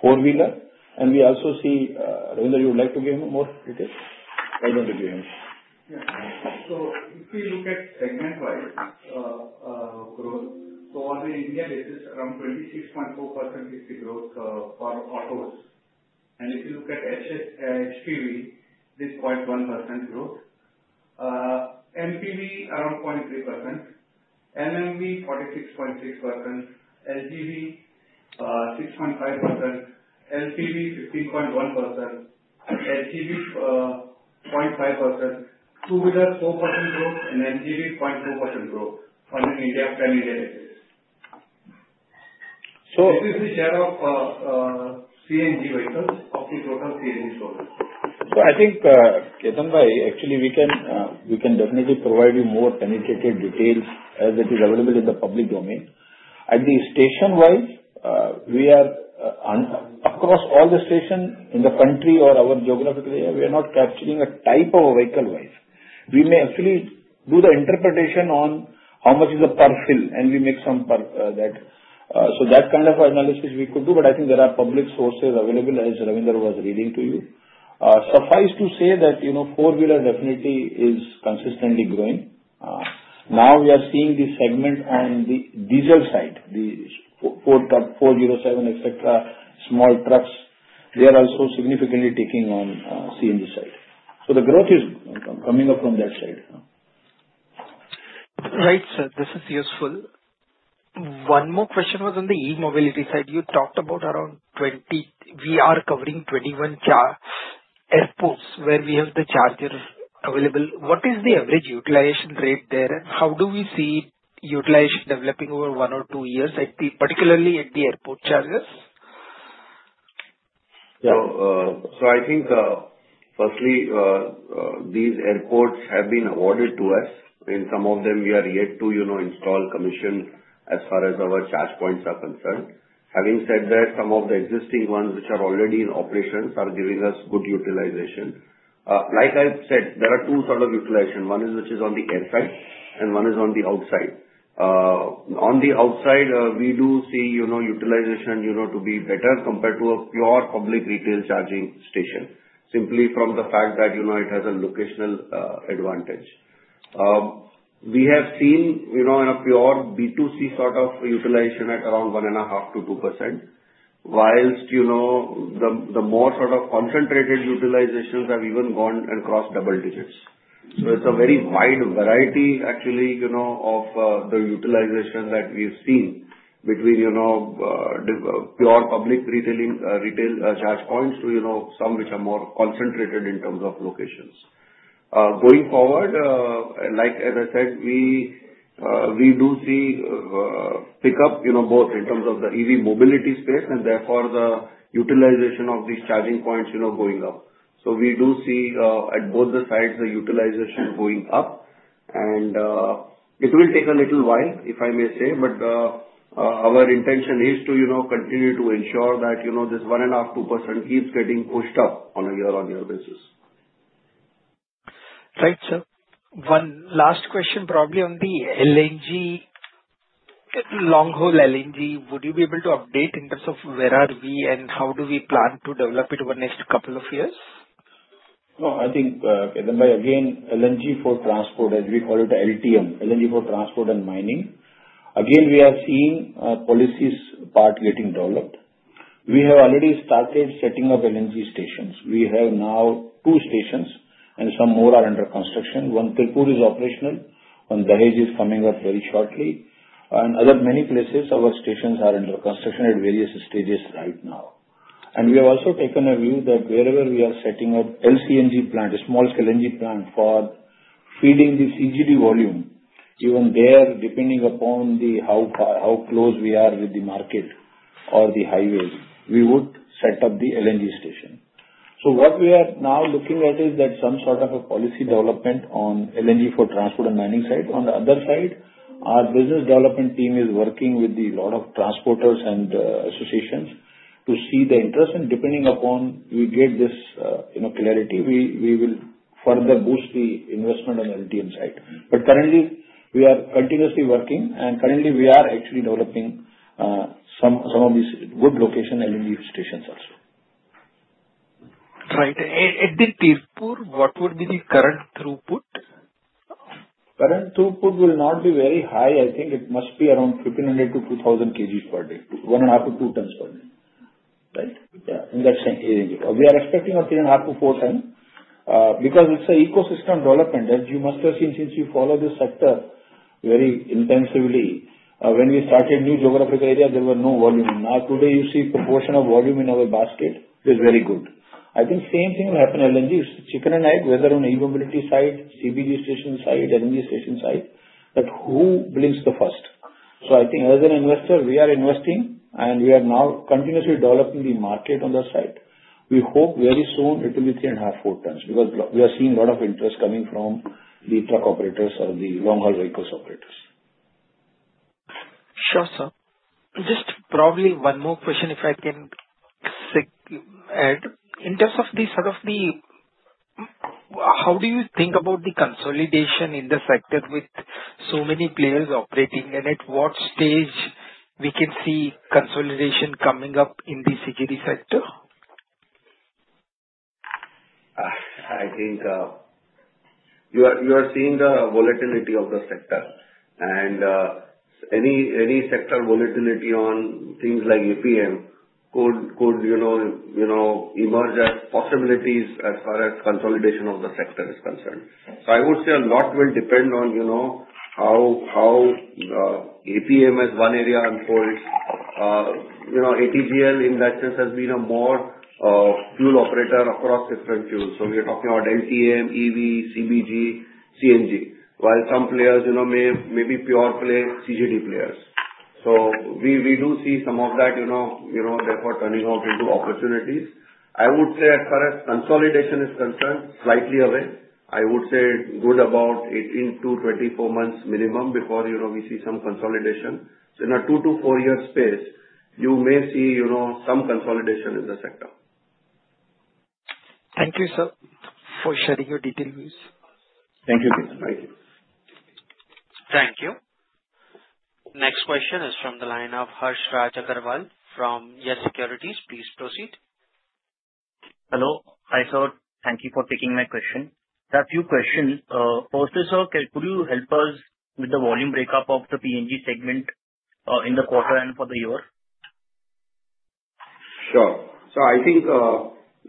four-wheeler. We also see, Ravinder, you would like to give him more details? Why don't you give him? Yeah. If we look at segment-wise growth, on an India basis, around 26.4% is the growth for autos. If you look at HPV, it is 0.1% growth. MPV, around 0.3%. MMV, 46.6%. LGV, 6.5%. LPV, 15.1%. LGV, 0.5%. Two-wheeler, 4% growth. LGV, 0.2% growth on an India-France basis. This is the share of CNG vehicles of the total CNG sources. I think, Kirtan bhai, actually, we can definitely provide you more penetrated details as it is available in the public domain. At the station-wise, we are across all the stations in the country or our geographical area, we are not capturing a type of vehicle-wise. We may actually do the interpretation on how much is the per fill, and we make some that. So that kind of analysis we could do. I think there are public sources available as Ravinder was reading to you. Suffice to say that four-wheeler definitely is consistently growing. Now we are seeing the segment on the diesel side, the 407, etc., small trucks. They are also significantly taking on CNG side. The growth is coming up from that side. Right, sir. This is useful. One more question was on the e-mobility side. You talked about around 20. We are covering 21 airports where we have the chargers available. What is the average utilization rate there? How do we see utilization developing over one or two years, particularly at the airport chargers? Yeah. I think, firstly, these airports have been awarded to us. Some of them, we are yet to install commission as far as our charge points are concerned. Having said that, some of the existing ones which are already in operations are giving us good utilization. Like I said, there are two sort of utilization. One is which is on the air side, and one is on the outside. On the outside, we do see utilization to be better compared to a pure public retail charging station, simply from the fact that it has a locational advantage. We have seen a pure B2C sort of utilization at around 1.5%-2%, whilst the more sort of concentrated utilizations have even gone and crossed double digits. It is a very wide variety, actually, of the utilization that we have seen between pure public retail charge points to some which are more concentrated in terms of locations. Going forward, like I said, we do see pickup both in terms of the EV mobility space, and therefore, the utilization of these charging points going up. We do see at both the sides the utilization going up. It will take a little while, if I may say, but our intention is to continue to ensure that this 1.5%-2% keeps getting pushed up on a year-on-year basis. Right, sir. One last question, probably on the LNG, long-haul LNG. Would you be able to update in terms of where are we and how do we plan to develop it over the next couple of years? I think, Kirtan bhai, again, LNG for transport, as we call it LTM, LNG for transport and mining. Again, we are seeing policies part getting developed. We have already started setting up LNG stations. We have now two stations, and some more are under construction. One in Tirupur is operational. One in Dahej is coming up very shortly. Many other places, our stations are under construction at various stages right now. We have also taken a view that wherever we are setting up LCNG plant, a small LNG plant for feeding the CGD volume, even there, depending upon how close we are with the market or the highways, we would set up the LNG station. What we are now looking at is that some sort of a policy development on LNG for transport and mining side. On the other side, our business development team is working with a lot of transporters and associations to see the interest. Depending upon when we get this clarity, we will further boost the investment on the LTM side. Currently, we are continuously working. Currently, we are actually developing some of these good location LNG stations also. Right. In Tirupur, what would be the current throughput? Current throughput will not be very high. I think it must be around 1,500 kg-2,000 kg per day, 1.5 tons-2 tons per day. Right? Yeah. In that same area. We are expecting about 3.5-4 tons because it is an ecosystem development. As you must have seen since you follow this sector very intensively, when we started new geographical areas, there was no volume. Now, today, you see the proportion of volume in our basket is very good. I think the same thing will happen in LNG. It's chicken and egg, whether on e-mobility side, CBG station side, LNG station side, that who blinks the first. I think, as an investor, we are investing, and we are now continuously developing the market on that side. We hope very soon it will be 3.5 tons-4 tons because we are seeing a lot of interest coming from the truck operators or the long-haul vehicles operators. Sure, sir. Just probably one more question, if I can add, in terms of sort of the how do you think about the consolidation in the sector with so many players operating? At what stage can we see consolidation coming up in the CGD sector? I think you are seeing the volatility of the sector. Any sector volatility on things like APM could emerge as possibilities as far as consolidation of the sector is concerned. I would say a lot will depend on how APM as one area unfolds. Adani Total Gas Limited has been a more fuel operator across different fuels. We are talking about LNG, EV, CBG, CNG, while some players may be pure CGD players. We do see some of that therefore turning out into opportunities. I would say, as far as consolidation is concerned, slightly away. I would say good about 18 months-24 months minimum before we see some consolidation. In a two- to four-year space, you may see some consolidation in the sector. Thank you, sir, for sharing your details. Thank you. Thank you. Thank you. Next question is from the line of Harsh Raj Agarwal from Yes Securities. Please proceed. Hello. Hi, sir. Thank you for taking my question. I have a few questions. First is, sir, could you help us with the volume breakup of the PNG segment in the quarter and for the year? Sure. I think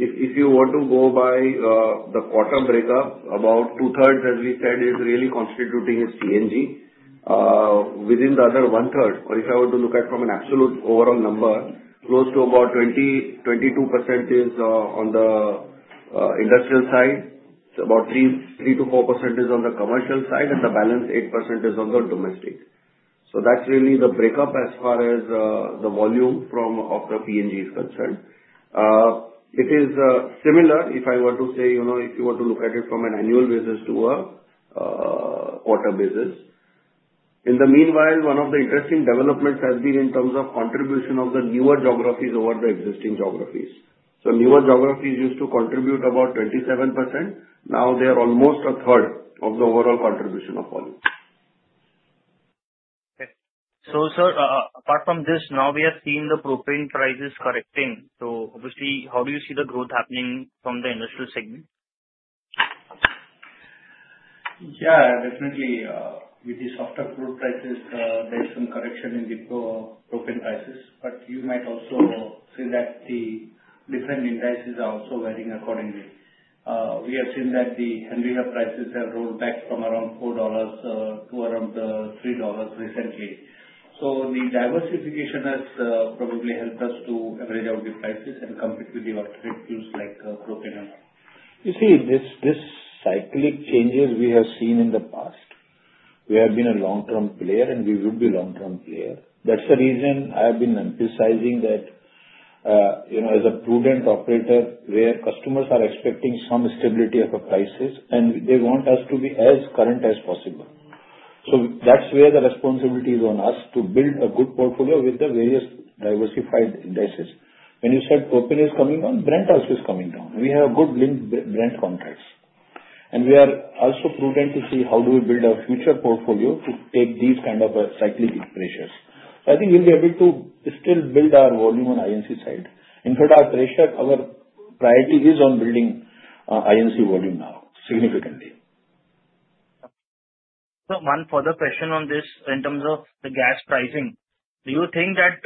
if you were to go by the quarter breakup, about two-thirds, as we said, is really constituting CNG. Within the other one-third, or if I were to look at from an absolute overall number, close to about 20%-22% is on the industrial side. It's about 3%-4% is on the commercial side, and the balance 8% is on the domestic. That's really the breakup as far as the volume of the PNG is concerned. It is similar, if I were to say, if you were to look at it from an annual basis to a quarter basis. In the meanwhile, one of the interesting developments has been in terms of contribution of the newer geographies over the existing geographies. Newer geographies used to contribute about 27%. Now they are almost a third of the overall contribution of volume. Okay. Sir, apart from this, now we are seeing the propane prices correcting. Obviously, how do you see the growth happening from the industrial segment? Yeah, definitely. With the softer crude prices, there is some correction in the propane prices. You might also see that the different indices are also varying accordingly. We have seen that the Henry Hub prices have rolled back from around $4 to around $3 recently. The diversification has probably helped us to average out the prices and compete with the alternate fuels like propane and oil. You see, these cyclic changes we have seen in the past. We have been a long-term player, and we will be a long-term player. That's the reason I have been emphasizing that as a prudent operator, where customers are expecting some stability of the prices, and they want us to be as current as possible. That's where the responsibility is on us to build a good portfolio with the various diversified indices. When you said propane is coming down, Brent also is coming down. We have good Brent contracts. We are also prudent to see how do we build our future portfolio to take these kind of cyclic pressures. I think we'll be able to still build our volume on INC side. In fact, our priority is on building INC volume now significantly. Sir, one further question on this in terms of the gas pricing. Do you think that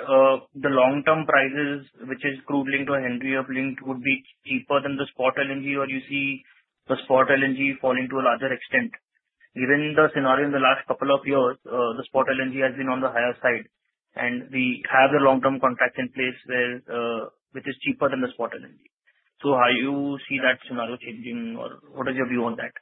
the long-term prices, which is crudely linked to Henry Hub linked, would be cheaper than the spot LNG, or do you see the spot LNG falling to a larger extent? Given the scenario in the last couple of years, the spot LNG has been on the higher side. We have the long-term contracts in place which is cheaper than the spot LNG. How do you see that scenario changing, or what is your view on that?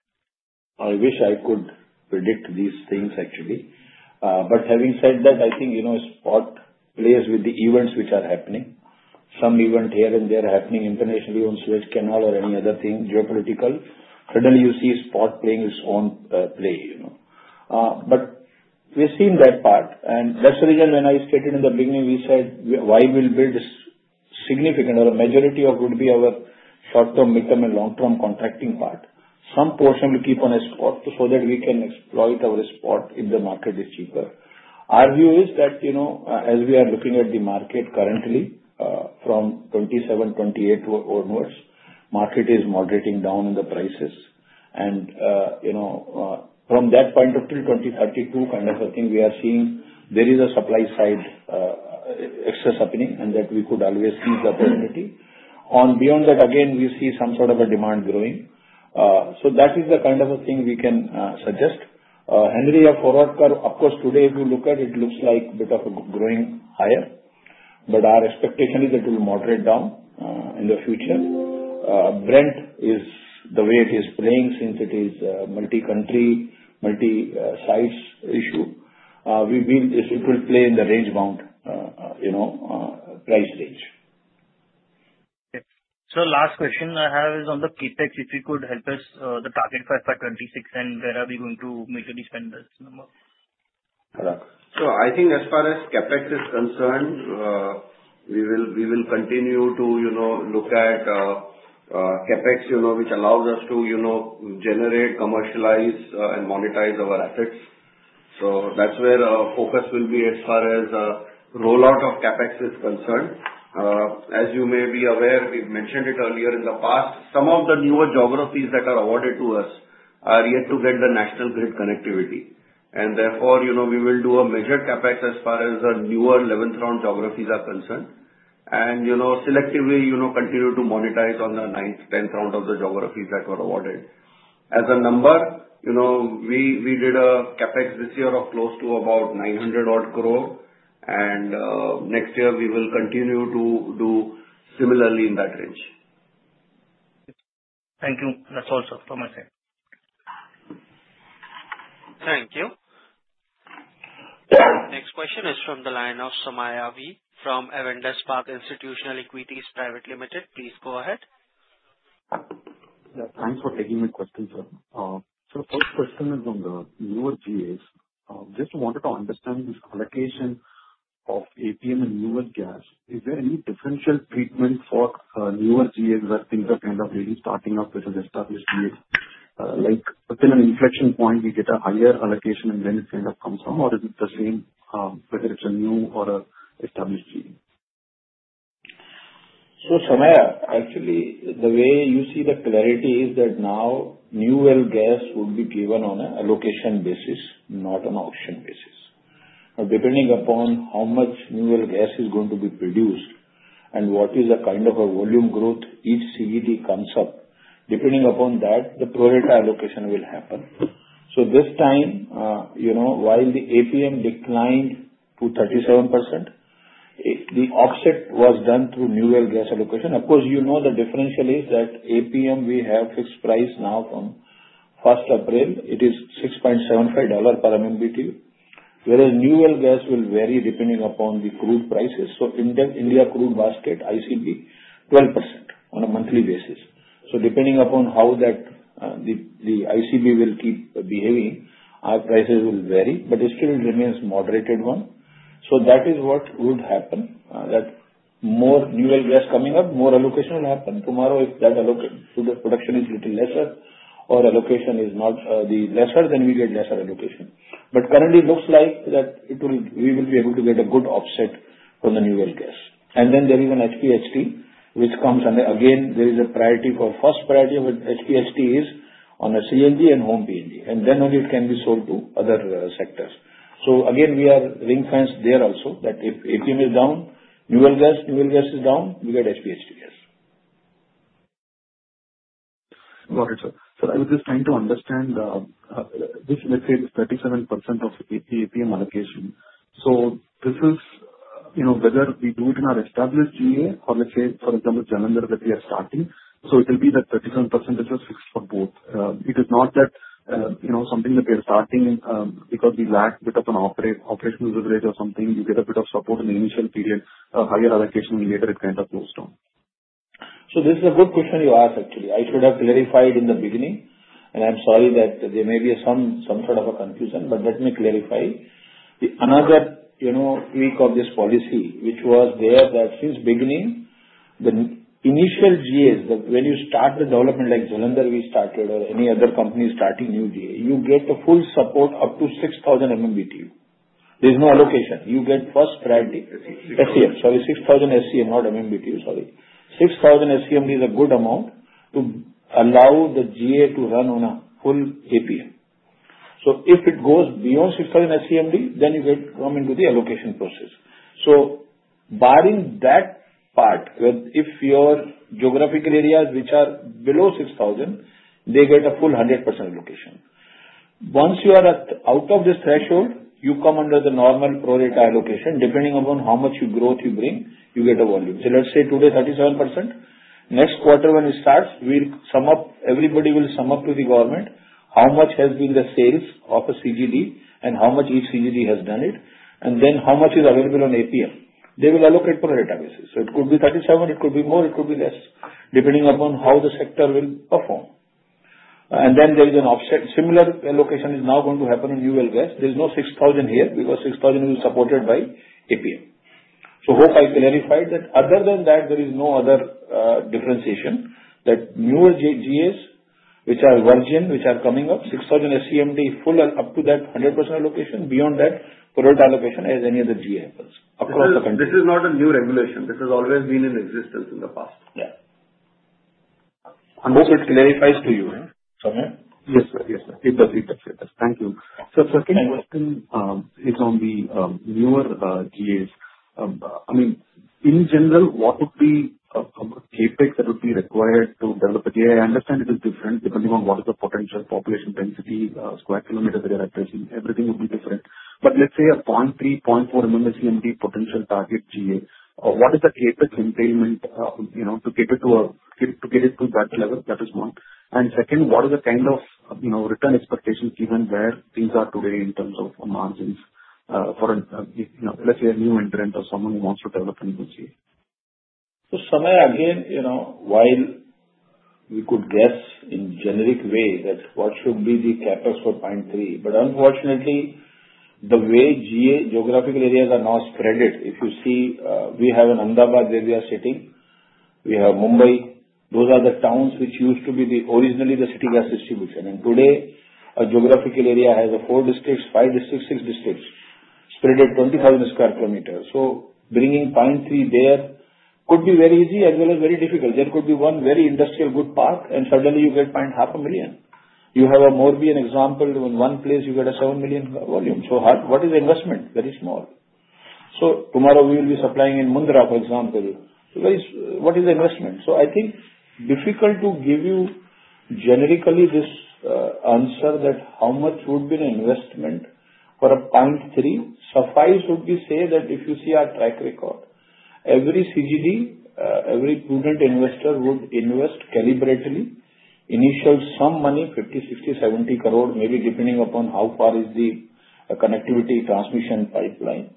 I wish I could predict these things, actually. Having said that, I think spot plays with the events which are happening. Some event here and there happening internationally on Swedish Canal or any other thing, geopolitical. Suddenly, you see spot playing its own play. We have seen that part. That is the reason when I stated in the beginning, we said, "Why will we build significant or a majority of would be our short-term, midterm, and long-term contracting part?" Some portion will keep on a spot so that we can exploit our spot if the market is cheaper. Our view is that as we are looking at the market currently, from 2027, 2028 onwards, the market is moderating down in the prices. From that point of view, 2032 kind of a thing, we are seeing there is a supply side excess happening, and that we could always seize the opportunity. Beyond that, again, we see some sort of a demand growing. That is the kind of a thing we can suggest. Henry Hub forward curve, of course, today, if you look at it, it looks like a bit of a growing higher. Our expectation is that it will moderate down in the future. Brent is the way it is playing since it is a multi-country, multi-sites issue. We believe it will play in the range-bound price range. Okay. Sir, last question I have is on the CapEx. If you could help us, the target for FY 2026, and where are we going to meet with these vendors? I think as far as CapEx is concerned, we will continue to look at CapEx, which allows us to generate, commercialize, and monetize our assets. That is where our focus will be as far as the rollout of CapEx is concerned. As you may be aware, we have mentioned it earlier in the past, some of the newer geographies that are awarded to us are yet to get the national grid connectivity. Therefore, we will do a measured CapEx as far as the newer 11th round geographies are concerned, and selectively continue to monetize on the 9th, 10th round of the geographies that were awarded. As a number, we did a CapEx this year of close to about 900 crore. Next year, we will continue to do similarly in that range. Thank you. That is all, sir, from my side. Thank you. Next question is from the line of Somaya V. from Avendus Park Institutional Equities. Please go ahead. Thanks for taking my question, sir. Sir, first question is on the newer GAs. Just wanted to understand this allocation of APM and newer gas. Is there any differential treatment for newer GAs as things are kind of really starting up with an established GA? Within an inflection point, we get a higher allocation, and then it kind of comes down, or is it the same whether it's a new or an established GA? Somaya, actually, the way you see the clarity is that now newer gas would be given on an allocation basis, not an auction basis. Depending upon how much newer gas is going to be produced and what is the kind of a volume growth each CGD comes up, depending upon that, the prorata allocation will happen. This time, while the APM declined to 37%, the offset was done through newer gas allocation. Of course, you know the differential is that APM, we have fixed price now from 1st April. It is $6.75 per MMBTU, whereas newer gas will vary depending upon the crude prices. India crude basket, ICB, 12% on a monthly basis. Depending upon how the ICB will keep behaving, our prices will vary, but it still remains a moderated one. That is what would happen. More newer gas coming up, more allocation will happen. Tomorrow, if that production is a little lesser or allocation is not the lesser, then we get lesser allocation. Currently, it looks like we will be able to get a good offset from the newer gas. There is an HPHT, which comes under, again, there is a priority. First priority of HPHT is on a CNG and home PNG, and then only it can be sold to other sectors. Again, we are ring-fenced there also that if APM is down, newer gas, newer gas is down, we get HPHT gas. Got it, sir. Sir, I was just trying to understand this. Let's say it's 37% of the APM allocation. Whether we do it in our established GA or, for example, Jalandhar that we are starting, it will be that 37% is fixed for both. It is not that something that we are starting because we lack a bit of an operational leverage or something. You get a bit of support in the initial period, a higher allocation, and later it kind of goes down. This is a good question you asked, actually. I should have clarified in the beginning, and I'm sorry that there may be some sort of a confusion, but let me clarify. Another weak of this policy, which was there since beginning, the initial GAs, when you start the development like Jalandhar we started or any other company starting new GA, you get the full support up to 6,000 MMBTU. There is no allocation. You get first priority. SCM. Sorry, 6,000 SCM, not MMBTU, sorry. 6,000 SCM is a good amount to allow the GA to run on a full APM. If it goes beyond 6,000 SCM, then you come into the allocation process. Barring that part, if your geographical areas are below 6,000, they get a full 100% allocation. Once you are out of this threshold, you come under the normal prorata allocation. Depending upon how much growth you bring, you get a volume. Let's say today 37%. Next quarter, when it starts, everybody will sum up to the government how much has been the sales of a CGD and how much each CGD has done it, and then how much is available on APM. They will allocate per databases. It could be 37, it could be more, it could be less, depending upon how the sector will perform. There is an offset. Similar allocation is now going to happen on newer gas. There is no 6,000 here because 6,000 will be supported by APM. I hope I clarified that. Other than that, there is no other differentiation that newer GAs, which are virgin, which are coming up, 6,000 SEMD, full up to that 100% allocation. Beyond that, prorata allocation as any other GA happens across the country. This is not a new regulation. This has always been in existence in the past. I hope it clarifies to you, Somaya. Yes, sir. Yes, sir. It does. It does. Thank you. Sir, second question is on the newer GAs. I mean, in general, what would be the capex that would be required to develop a GA? I understand it is different depending on what is the potential population density, square kilometers that you are addressing. Everything would be different. Let's say a 0.3, 0.4 MMBTU potential target GA. What is the capex entailment to get it to that level? That is one. Second, what is the kind of return expectations given where things are today in terms of margins for, let's say, a new entrant or someone who wants to develop a new GA? Somaya, again, while we could guess in a generic way that what should be the capex for 0.3, unfortunately, the way geographical areas are now spreaded, if you see, we have in Ahmedabad where we are sitting, we have Mumbai. Those are the towns which used to be originally the city gas distribution. Today, a geographical area has four districts, five districts, six districts spread at 20,000 sq km. Bringing 0.3 there could be very easy as well as very difficult. There could be one very industrial good park, and suddenly you get 0.5 million. You have a Morbi example. In one place, you get a seven million volume. What is the investment? Very small. Tomorrow, we will be supplying in Mundra, for example. Guys, what is the investment? I think difficult to give you generically this answer that how much would be the investment for a 0.3. Suffice would be to say that if you see our track record, every CGD, every prudent investor would invest calibratedly, initial some money, 50 crore, 60 crore, 70 crore, maybe depending upon how far is the connectivity transmission pipeline.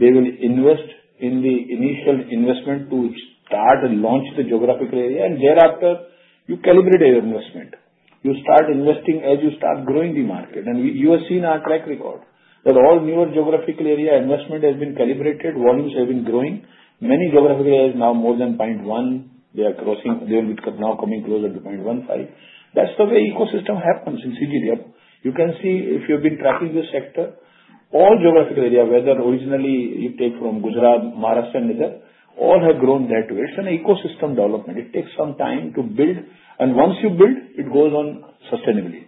They will invest in the initial investment to start and launch the geographical area. Thereafter, you calibrate your investment. You start investing as you start growing the market. You have seen our track record that all newer geographical area investment has been calibrated. Volumes have been growing. Many geographical areas now more than 0.1. They are crossing. They will be now coming closer to 0.15. That is the way ecosystem happens in CGD. You can see if you have been tracking this sector, all geographical area, whether originally you take from Gujarat, Maharashtra, and Nidhar, all have grown that way. It is an ecosystem development. It takes some time to build. Once you build, it goes on sustainably.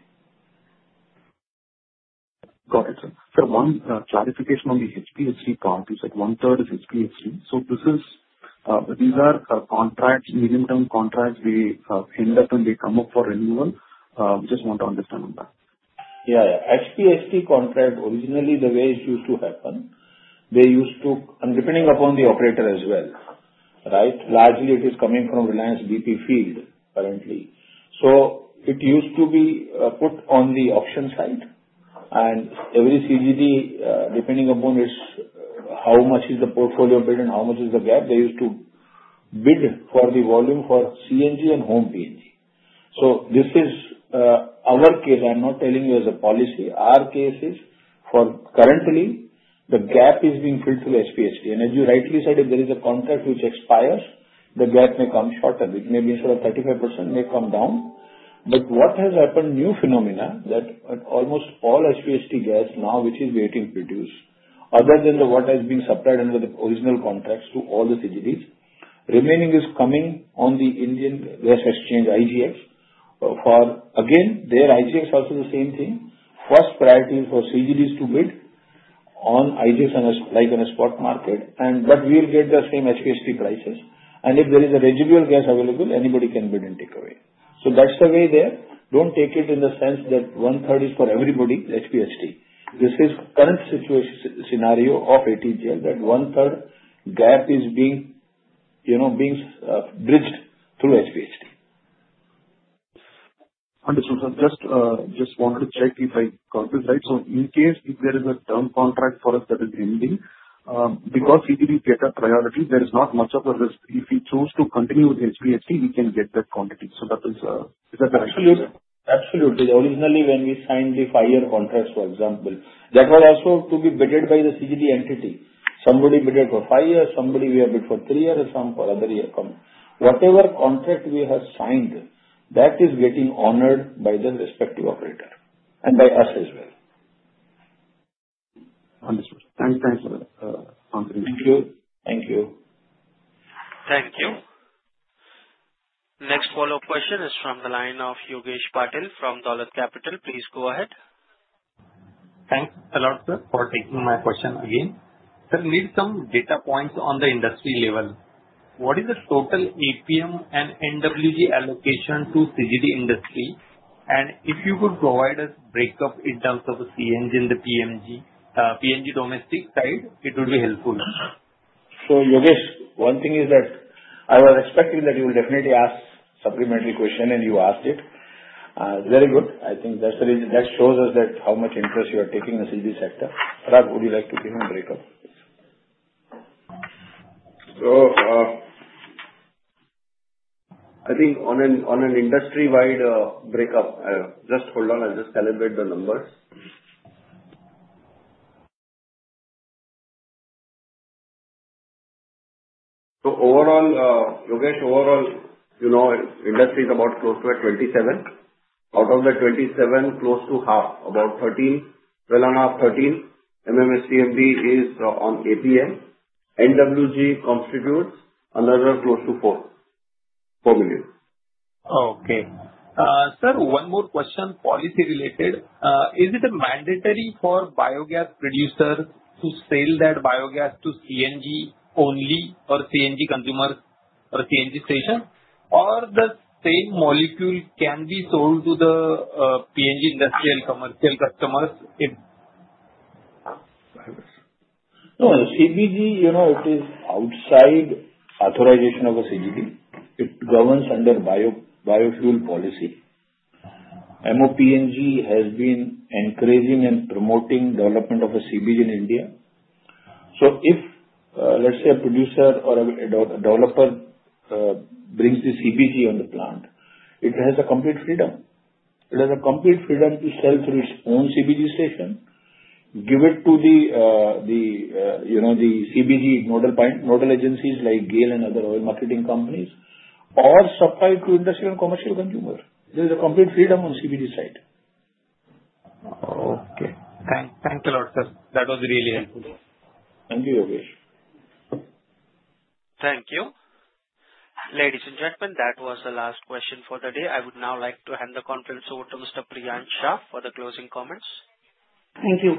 Got it, sir. Sir, one clarification on the HPHT part. You said one third is HPHT. These are contracts, medium-term contracts. They end up and they come up for renewal. Just want to understand on that. Yeah. HPHT contract, originally, the way it used to happen, they used to, and depending upon the operator as well, right? Largely, it is coming from Reliance BP Field currently. It used to be put on the auction site. Every CGD, depending upon how much is the portfolio bid and how much is the gap, used to bid for the volume for CNG and home PNG. This is our case. I am not telling you as a policy. Our case is for currently, the gap is being filled through HPHT. As you rightly said, if there is a contract which expires, the gap may come shorter. It may be sort of 35% may come down. What has happened, new phenomena, that almost all HPHT gas now, which is waiting to produce, other than what has been supplied under the original contracts to all the CGDs, remaining is coming on the Indian Gas Exchange, IGX. Again, there IGX is also the same thing. First priority is for CGDs to bid on IGX like on a spot market. We will get the same HPHT prices. If there is a residual gas available, anybody can bid and take away. That is the way there. Do not take it in the sense that one third is for everybody, HPHT. This is current situation scenario of ATGL that 1/3 gap is being bridged through HPHT. Understood, sir. Just wanted to check if I got this right. In case if there is a term contract for us that is ending, because CGDs get a priority, there is not much of a risk. If we choose to continue with HPHT, we can get that quantity. That is the direction. Absolutely. Absolutely. Originally, when we signed the five-year contracts, for example, that was also to be bidded by the CGD entity. Somebody bid it for five years. Somebody, we have bid for three years or some other year. Whatever contract we have signed, that is getting honored by the respective operator and by us as well. Understood. Thanks for the answer. Thank you. Thank you. Thank you. Next follow-up question is from the line of Yogesh Patil from Dolat Capital. Please go ahead. Thanks a lot, sir, for taking my question again. Sir, we need some data points on the industry level. What is the total APM and NWG allocation to CGD industry? If you could provide us breakup in terms of CNG and the PNG domestic side, it would be helpful. Yogesh, one thing is that I was expecting that you will definitely ask supplementary question, and you asked it. Very good. I think that shows us how much interest you are taking in the CGD sector. Parag, would you like to give him a breakup? I think on an industry-wide breakup, just hold on. I'll just calibrate the numbers. Overall, Yogesh, overall, industry is about close to 27. Out of the 27, close to half, about 13, 12 and a half, 13 MMSTMD is on APM. NWG constitutes another close to 4 million. Okay. Sir, one more question, policy-related. Is it mandatory for biogas producer to sell that biogas to CNG only or CNG consumers or CNG station? Or the same molecule can be sold to the PNG industrial commercial customers? No, CBG, it is outside authorization of a CGD. It governs under biofuel policy. MOPNG has been encouraging and promoting development of a CBG in India. If, let's say, a producer or a developer brings the CBG on the plant, it has complete freedom. It has complete freedom to sell through its own CBG station, give it to the CBG nodal agencies like GAIL and other oil marketing companies, or supply to industrial and commercial consumers. There is complete freedom on CBG side. Okay. Thank you a lot, sir. That was really helpful. Thank you, Yogesh. Thank you. Ladies and gentlemen, that was the last question for the day. I would now like to hand the conference over to Mr. Priyansh for the closing comments. Thank you.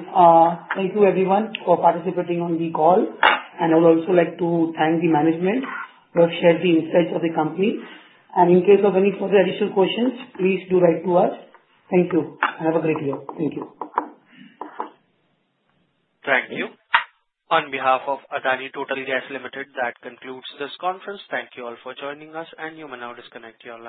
Thank you, everyone, for participating on the call. I would also like to thank the management who have shared the insights of the company. In case of any further additional questions, please do write to us. Thank you. Have a great day. Thank you. Thank you. On behalf of Adani Total Gas Limited, that concludes this conference. Thank you all for joining us, and you may now disconnect your line.